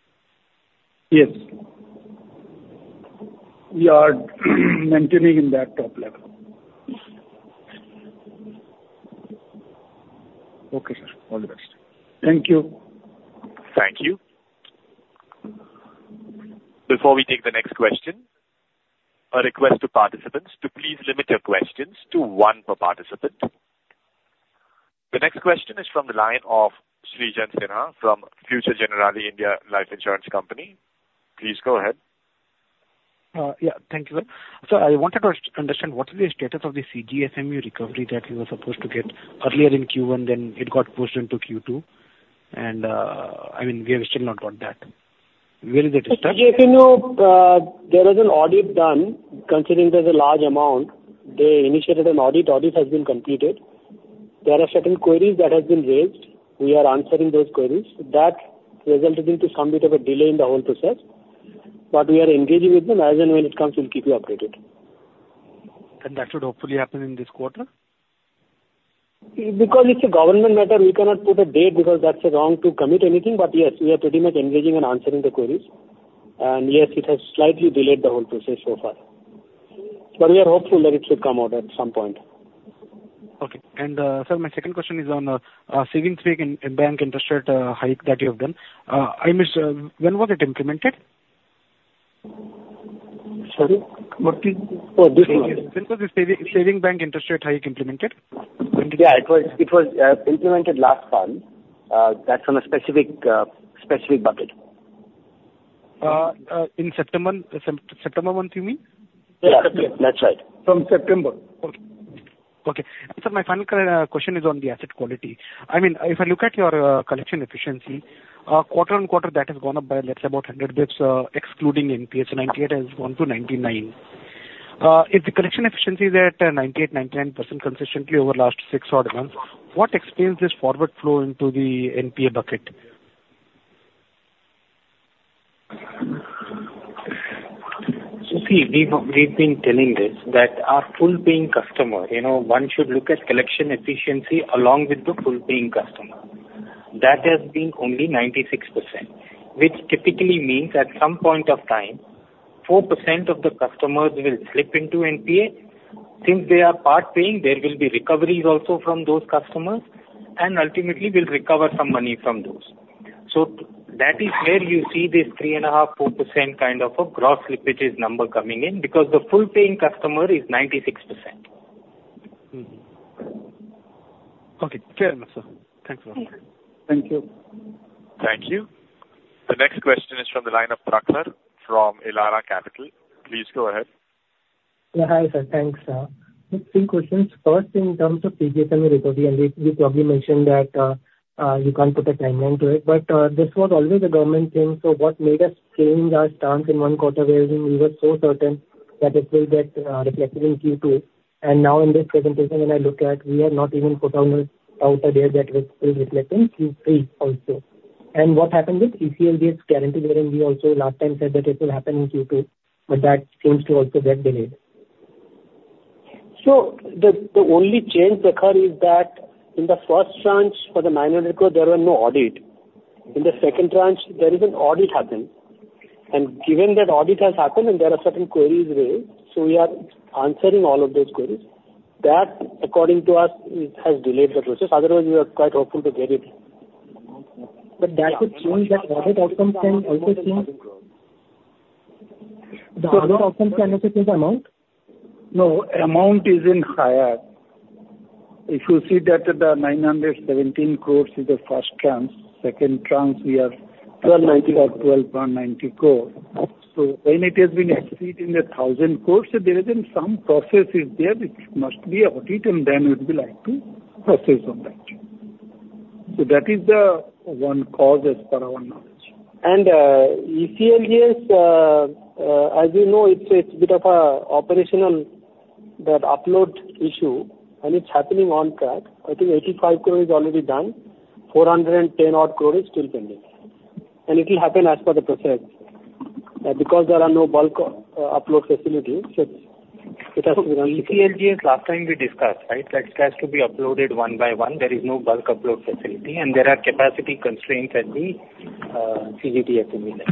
Yes. We are maintaining in that top level. Okay, sir. All the best. Thank you. Thank you. Before we take the next question, a request to participants to please limit your questions to one per participant. The next question is from the line of Srijan Sinha from Future Generali India Life Insurance Company. Please go ahead. Yeah, thank you, sir. So I wanted to understand, what is the status of the CGSME recovery that you were supposed to get earlier in Q1, then it got pushed into Q2, and, I mean, we have still not got that. Where is it stuck? CGFMU, there was an audit done. Considering there's a large amount, they initiated an audit. Audit has been completed. There are certain queries that have been raised. We are answering those queries. That resulted into some bit of a delay in the whole process, but we are engaging with them. As and when it comes, we'll keep you updated. That should hopefully happen in this quarter? Because it's a government matter, we cannot put a date because that's wrong to commit anything. But yes, we are pretty much engaging and answering the queries. And yes, it has slightly delayed the whole process so far, but we are hopeful that it should come out at some point. Okay. And, sir, my second question is on savings bank and bank interest rate hike that you have done. I missed when was it implemented? Sorry, what did...? Oh, this one. When was the savings bank interest rate hike implemented? Yeah, it was, it was implemented last month. That's on a specific, specific bucket. In September, September month, you mean? Yeah. Yeah, that's right. From September. Okay. Okay, and sir, my final question is on the asset quality. I mean, if I look at your collection efficiency quarter-on-quarter, that has gone up by let's say about 100 basis, excluding NPA. 98 has gone to 99. If the collection efficiency is at 98, 99% consistently over last six odd months, what explains this forward flow into the NPA bucket? So see, we've been telling this, that our full-paying customer, you know, one should look at collection efficiency along with the full-paying customer. That has been only 96%, which typically means at some point of time, 4% of the customers will slip into NPA. Since they are part-paying, there will be recoveries also from those customers, and ultimately we'll recover some money from those. So that is where you see this 3.5-4% kind of a gross slippages number coming in, because the full-paying customer is 96%. Okay, clear enough, sir. Thanks a lot. Thank you. Thank you. The next question is from the line of Prakhar from Elara Capital. Please go ahead. Hi, sir. Thanks. Just three questions. First, in terms of CGFMU recovery, and you probably mentioned that, you can't put a timeline to it, but, this was always a government thing, so what made us change our stance in one quarter, wherein we were so certain that it will get reflected in Q2? And now in this presentation, when I look at, we have not even put down outside there that it will reflect in Q3 also. And what happened with ECLGS guarantee, wherein we also last time said that it will happen in Q2, but that seems to also get delayed. So, the only change, Prakhar, is that in the first tranche, for the INR 900 crore, there were no audit. In the second tranche, there is an audit happened, and given that audit has happened and there are certain queries raised, so we are answering all of those queries.... That, according to us, it has delayed the process. Otherwise, we are quite hopeful to get it. But that would change, that audit outcome can also change? The audit outcome can also change the amount? No, amount is higher. If you see that the 917 crore is the first tranche, second tranche, we have- Twelve ninety. 12.90 crore. So when it has been exceeding 1,000 crore, there is some process is there which must be audited, and then we'd be like to proceed on that. So that is the one cause as per our knowledge. ECLGS, as you know, it's a, it's a bit of a operational, that upload issue, and it's happening on track. I think 85 crore is already done. 410 odd crore is still pending, and it will happen as per the process, because there are no bulk, upload facilities, so it has to run- ECLGS, last time we discussed, right? That has to be uploaded one by one. There is no bulk upload facility, and there are capacity constraints at the NCGTC at the moment.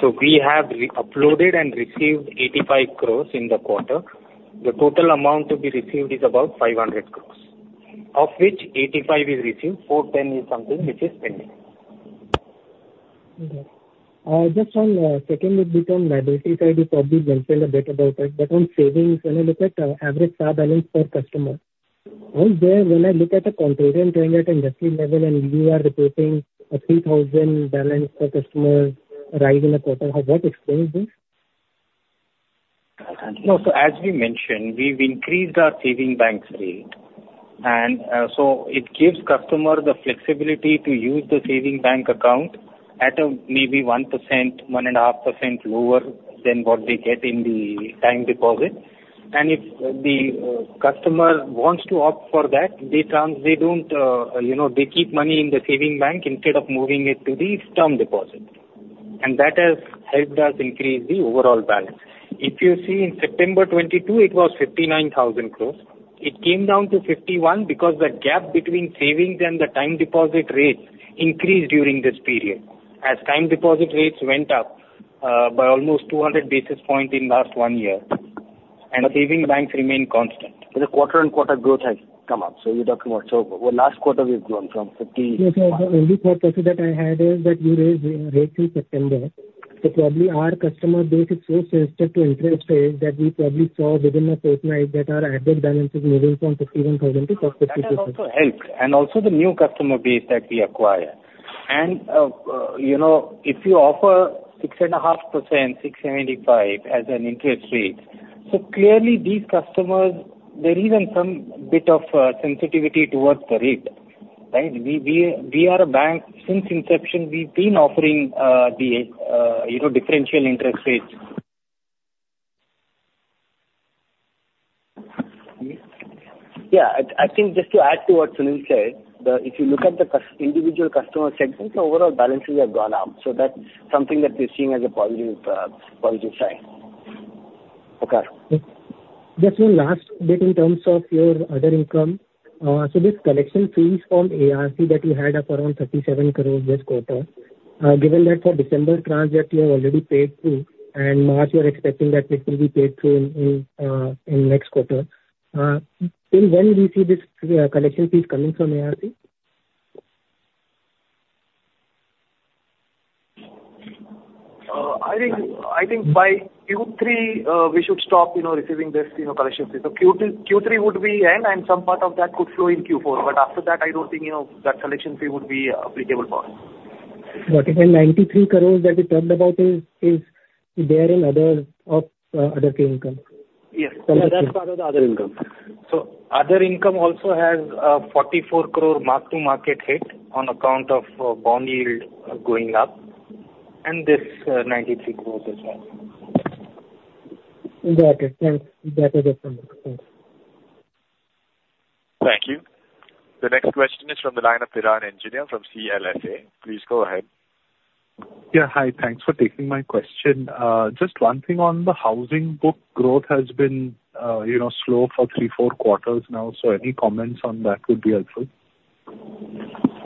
So we have re-uploaded and received 85 crores in the quarter. The total amount to be received is about 500 crores, of which 85 is received, 410 is something which is pending. Okay. Just on second bit, with regard to liability side, you probably mentioned a bit about that, but on savings, when I look at average savings balance per customer, on there, when I look at the comparison going at industry level, and you are reporting an 3,000 balance per customer rise in a quarter, how what explains this? No, so as we mentioned, we've increased our savings bank rate. And so it gives customer the flexibility to use the savings bank account at a maybe 1%, 1.5% lower than what they get in the time deposit. And if the customer wants to opt for that, they don't, you know, they keep money in the savings bank instead of moving it to the term deposit. And that has helped us increase the overall balance. If you see in September 2022, it was 59,000 crore. It came down to 51,000 crore because the gap between savings and the time deposit rates increased during this period, as time deposit rates went up by almost 200 basis points in last one year, and the savings banks remained constant. The quarter-over-quarter growth has come up, so you're talking about... So the last quarter, we've grown from 50- Yes, so the only thought process that I had is that you raised rates in September, so probably our customer base is so sensitive to interest rates, that we probably saw overnight that our average balance is moving from 51,000 to 52,000. That has also helped, and also the new customer base that we acquire. You know, if you offer 6.5%, 6.75% as an interest rate, so clearly these customers, there is even some bit of sensitivity towards the rate, right? We are a bank. Since inception, we've been offering the, you know, differential interest rates. Yeah. I think just to add to what Sunil said, if you look at the individual customer segments, the overall balances have gone up, so that's something that we're seeing as a positive, positive sign. Prakash? Just one last bit in terms of your other income. So this collection fees from ARC that you had up around 37 crore this quarter, given that for December transaction you have already paid through, and March you are expecting that this will be paid through in next quarter, till when do you see this collection fees coming from ARC? I think, I think by Q3, we should stop, you know, receiving this, you know, collection fee. So Q2, Q3 would be end, and some part of that could flow in Q4. But after that, I don't think, you know, that collection fee would be applicable for us. Got it. 93 crore that we talked about is there in other, or other fee income? Yes. That's part of the other income. Other income also has 44 crore mark-to-market hit on account of bond yield going up, and this 93 crore as well. Got it. Thanks. That was just something. Thanks. Thank you. The next question is from the line of Piran Engineer from CLSA. Please go ahead. Yeah, hi. Thanks for taking my question. Just one thing on the housing book, growth has been, you know, slow for 3-4 quarters now. So any comments on that would be helpful. Yeah,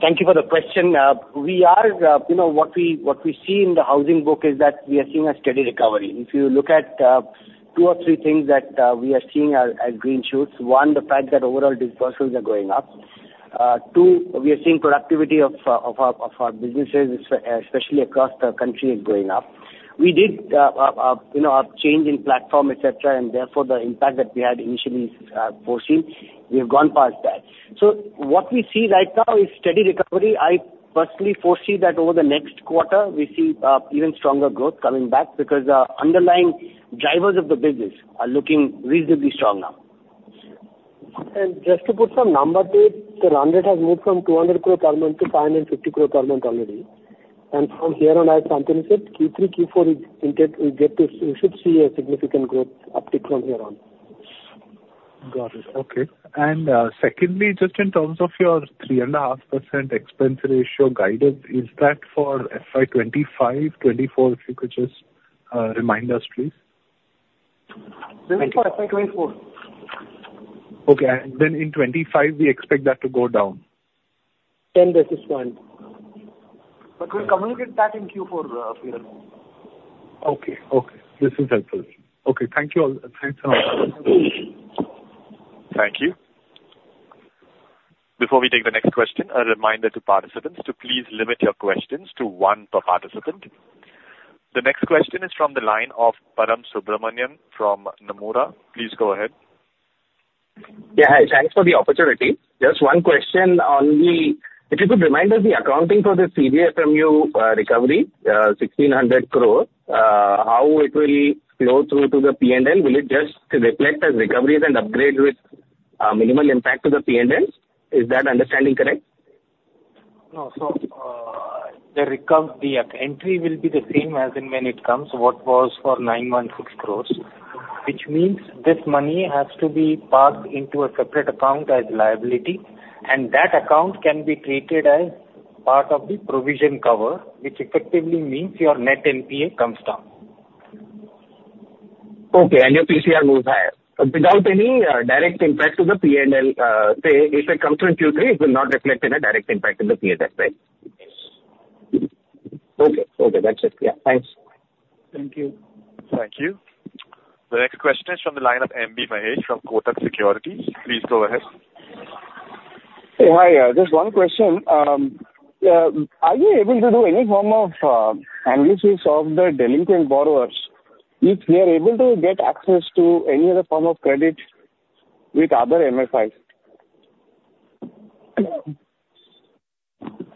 thank you for the question. We are, you know, what we see in the housing book is that we are seeing a steady recovery. If you look at two or three things that we are seeing as green shoots, one, the fact that overall disbursals are going up. Two, we are seeing productivity of our businesses, especially across the country is going up. We did, you know, a change in platform, et cetera, and therefore, the impact that we had initially foreseen, we have gone past that. So what we see right now is steady recovery. I personally foresee that over the next quarter, we see even stronger growth coming back, because the underlying drivers of the business are looking reasonably strong now. Just to put some numbers to it, the run rate has moved from 200 crore per month to 550 crore per month already. From here on, as company said, Q3, Q4, we get to... We should see a significant growth uptick from here on. Got it. Okay. And, secondly, just in terms of your 3.5% expense ratio guidance, is that for FY 2025, 2024? If you could just remind us, please. This is for FY 2024.... Okay, and then in 2025, we expect that to go down? 10 basis points. But we'll communicate that in Q4, for you. Okay. Okay, this is helpful. Okay, thank you all. Thanks a lot. Thank you. Before we take the next question, a reminder to participants to please limit your questions to one per participant. The next question is from the line of Param Subramanian from Nomura. Please go ahead. Yeah, hi. Thanks for the opportunity. Just one question on the, if you could remind us the accounting for the CGFMU, recovery, 1,600 crore, how it will flow through to the P&L. Will it just reflect as recoveries and upgrade with, minimal impact to the P&L? Is that understanding correct? No. So, the entry will be the same as in when it comes, what was for 916 crore, which means this money has to be parked into a separate account as liability, and that account can be treated as part of the provision cover, which effectively means your net NPA comes down. Okay, and your PCR moves higher. Without any direct impact to the P&L, say, if it comes from Q3, it will not reflect in a direct impact in the P&L, right? Yes. Okay. Okay, that's it. Yeah, thanks. Thank you. Thank you. The next question is from the line of M.B. Mahesh from Kotak Securities. Please go ahead. Hey, hi. Yeah, just one question. Are you able to do any form of analysis of the delinquent borrowers if they are able to get access to any other form of credit with other MFIs?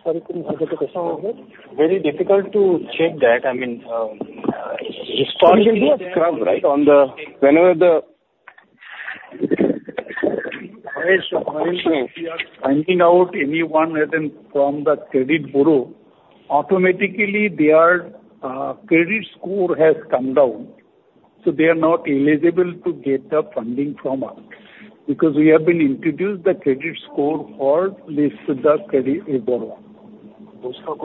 Sorry, can you repeat the question once again? Very difficult to check that. I mean, You can do a scrub, right, on the... Whenever the- So, if we are finding out anyone from the credit bureau, automatically their credit score has come down, so they are not eligible to get the funding from us. Because we have been introduced the credit score for the Sudha Credit is the one. Sir,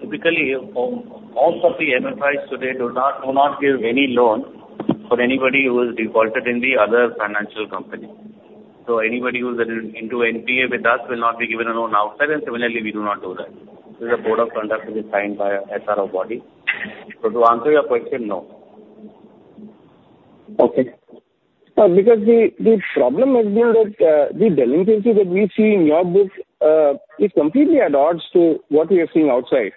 typically, most of the MFIs today do not, do not give any loan for anybody who has defaulted in the other financial company. So anybody who is into NPA with us will not be given a loan outside, and similarly, we do not do that. There's a code of conduct that is signed by our SRO body. So to answer your question, no. Okay. Because the problem has been that the delinquency that we see in your book is completely at odds to what we are seeing outside.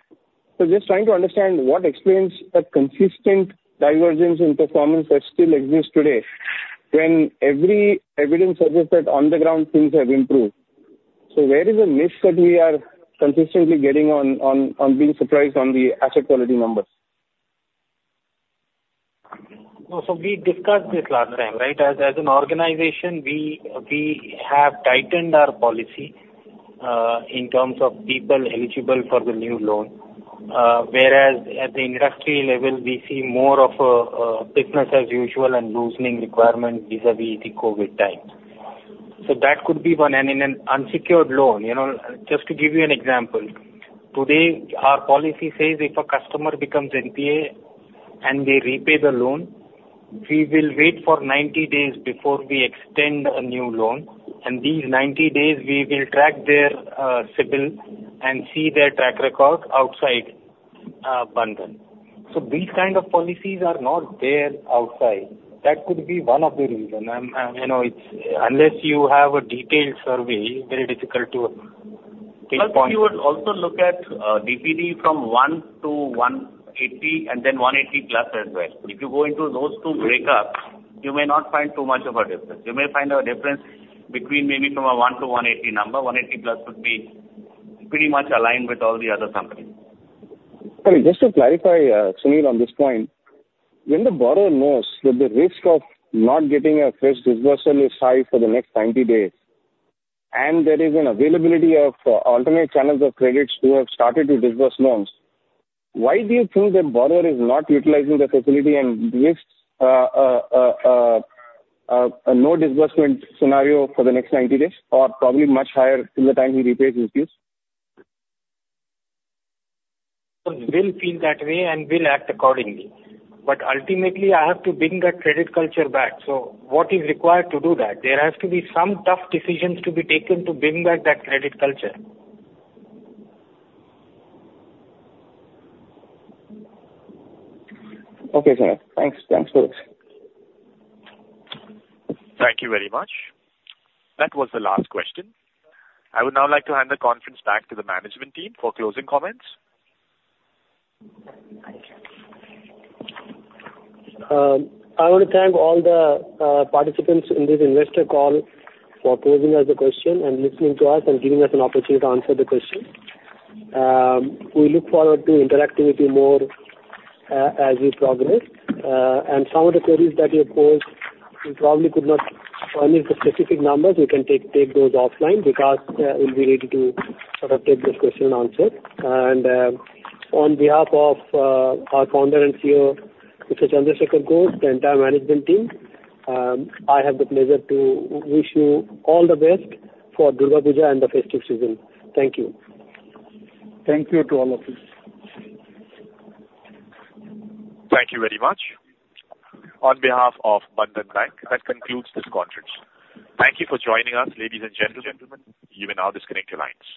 So just trying to understand what explains that consistent divergence in performance that still exists today, when every evidence suggests that on the ground, things have improved. So where is the miss that we are consistently getting on being surprised on the asset quality numbers? No, so we discussed this last time, right? As an organization, we have tightened our policy in terms of people eligible for the new loan. Whereas at the industry level, we see more of a business as usual and loosening requirements vis-a-vis the COVID time. So that could be one. And in an unsecured loan, you know, just to give you an example, today, our policy says if a customer becomes NPA and they repay the loan, we will wait for 90 days before we extend a new loan, and these 90 days we will track their CIBIL and see their track record outside Bandhan. So these kind of policies are not there outside. That could be one of the reason. You know, it's unless you have a detailed survey, very difficult to take point. But if you would also look at, DPD from 1 to 180 and then 180 plus as well. If you go into those two breakups, you may not find too much of a difference. You may find a difference between maybe from a 1 to 180 number. 180 plus should be pretty much aligned with all the other companies. Sorry, just to clarify, Sunil, on this point, when the borrower knows that the risk of not getting a fresh disbursement is high for the next 90 days, and there is an availability of alternate channels of credits who have started to disburse loans, why do you think that borrower is not utilizing the facility and risks a no disbursement scenario for the next 90 days, or probably much higher till the time he repays his dues? Will feel that way and will act accordingly. But ultimately, I have to bring that credit culture back. So what is required to do that? There has to be some tough decisions to be taken to bring back that credit culture. Okay, sir. Thanks. Thanks for this. Thank you very much. That was the last question. I would now like to hand the conference back to the management team for closing comments. I want to thank all the participants in this investor call for posing us the question and listening to us and giving us an opportunity to answer the question. We look forward to interacting with you more as we progress. And some of the queries that you posed, we probably could not find the specific numbers. We can take those offline, because we'll be ready to sort of take this question and answer. And on behalf of our founder and CEO, Mr. Chandra Shekhar Ghosh, the entire management team, I have the pleasure to wish you all the best for Durga Puja and the festive season. Thank you. Thank you to all of you. Thank you very much. On behalf of Bandhan Bank, that concludes this conference. Thank you for joining us, ladies and gentlemen. You may now disconnect your lines.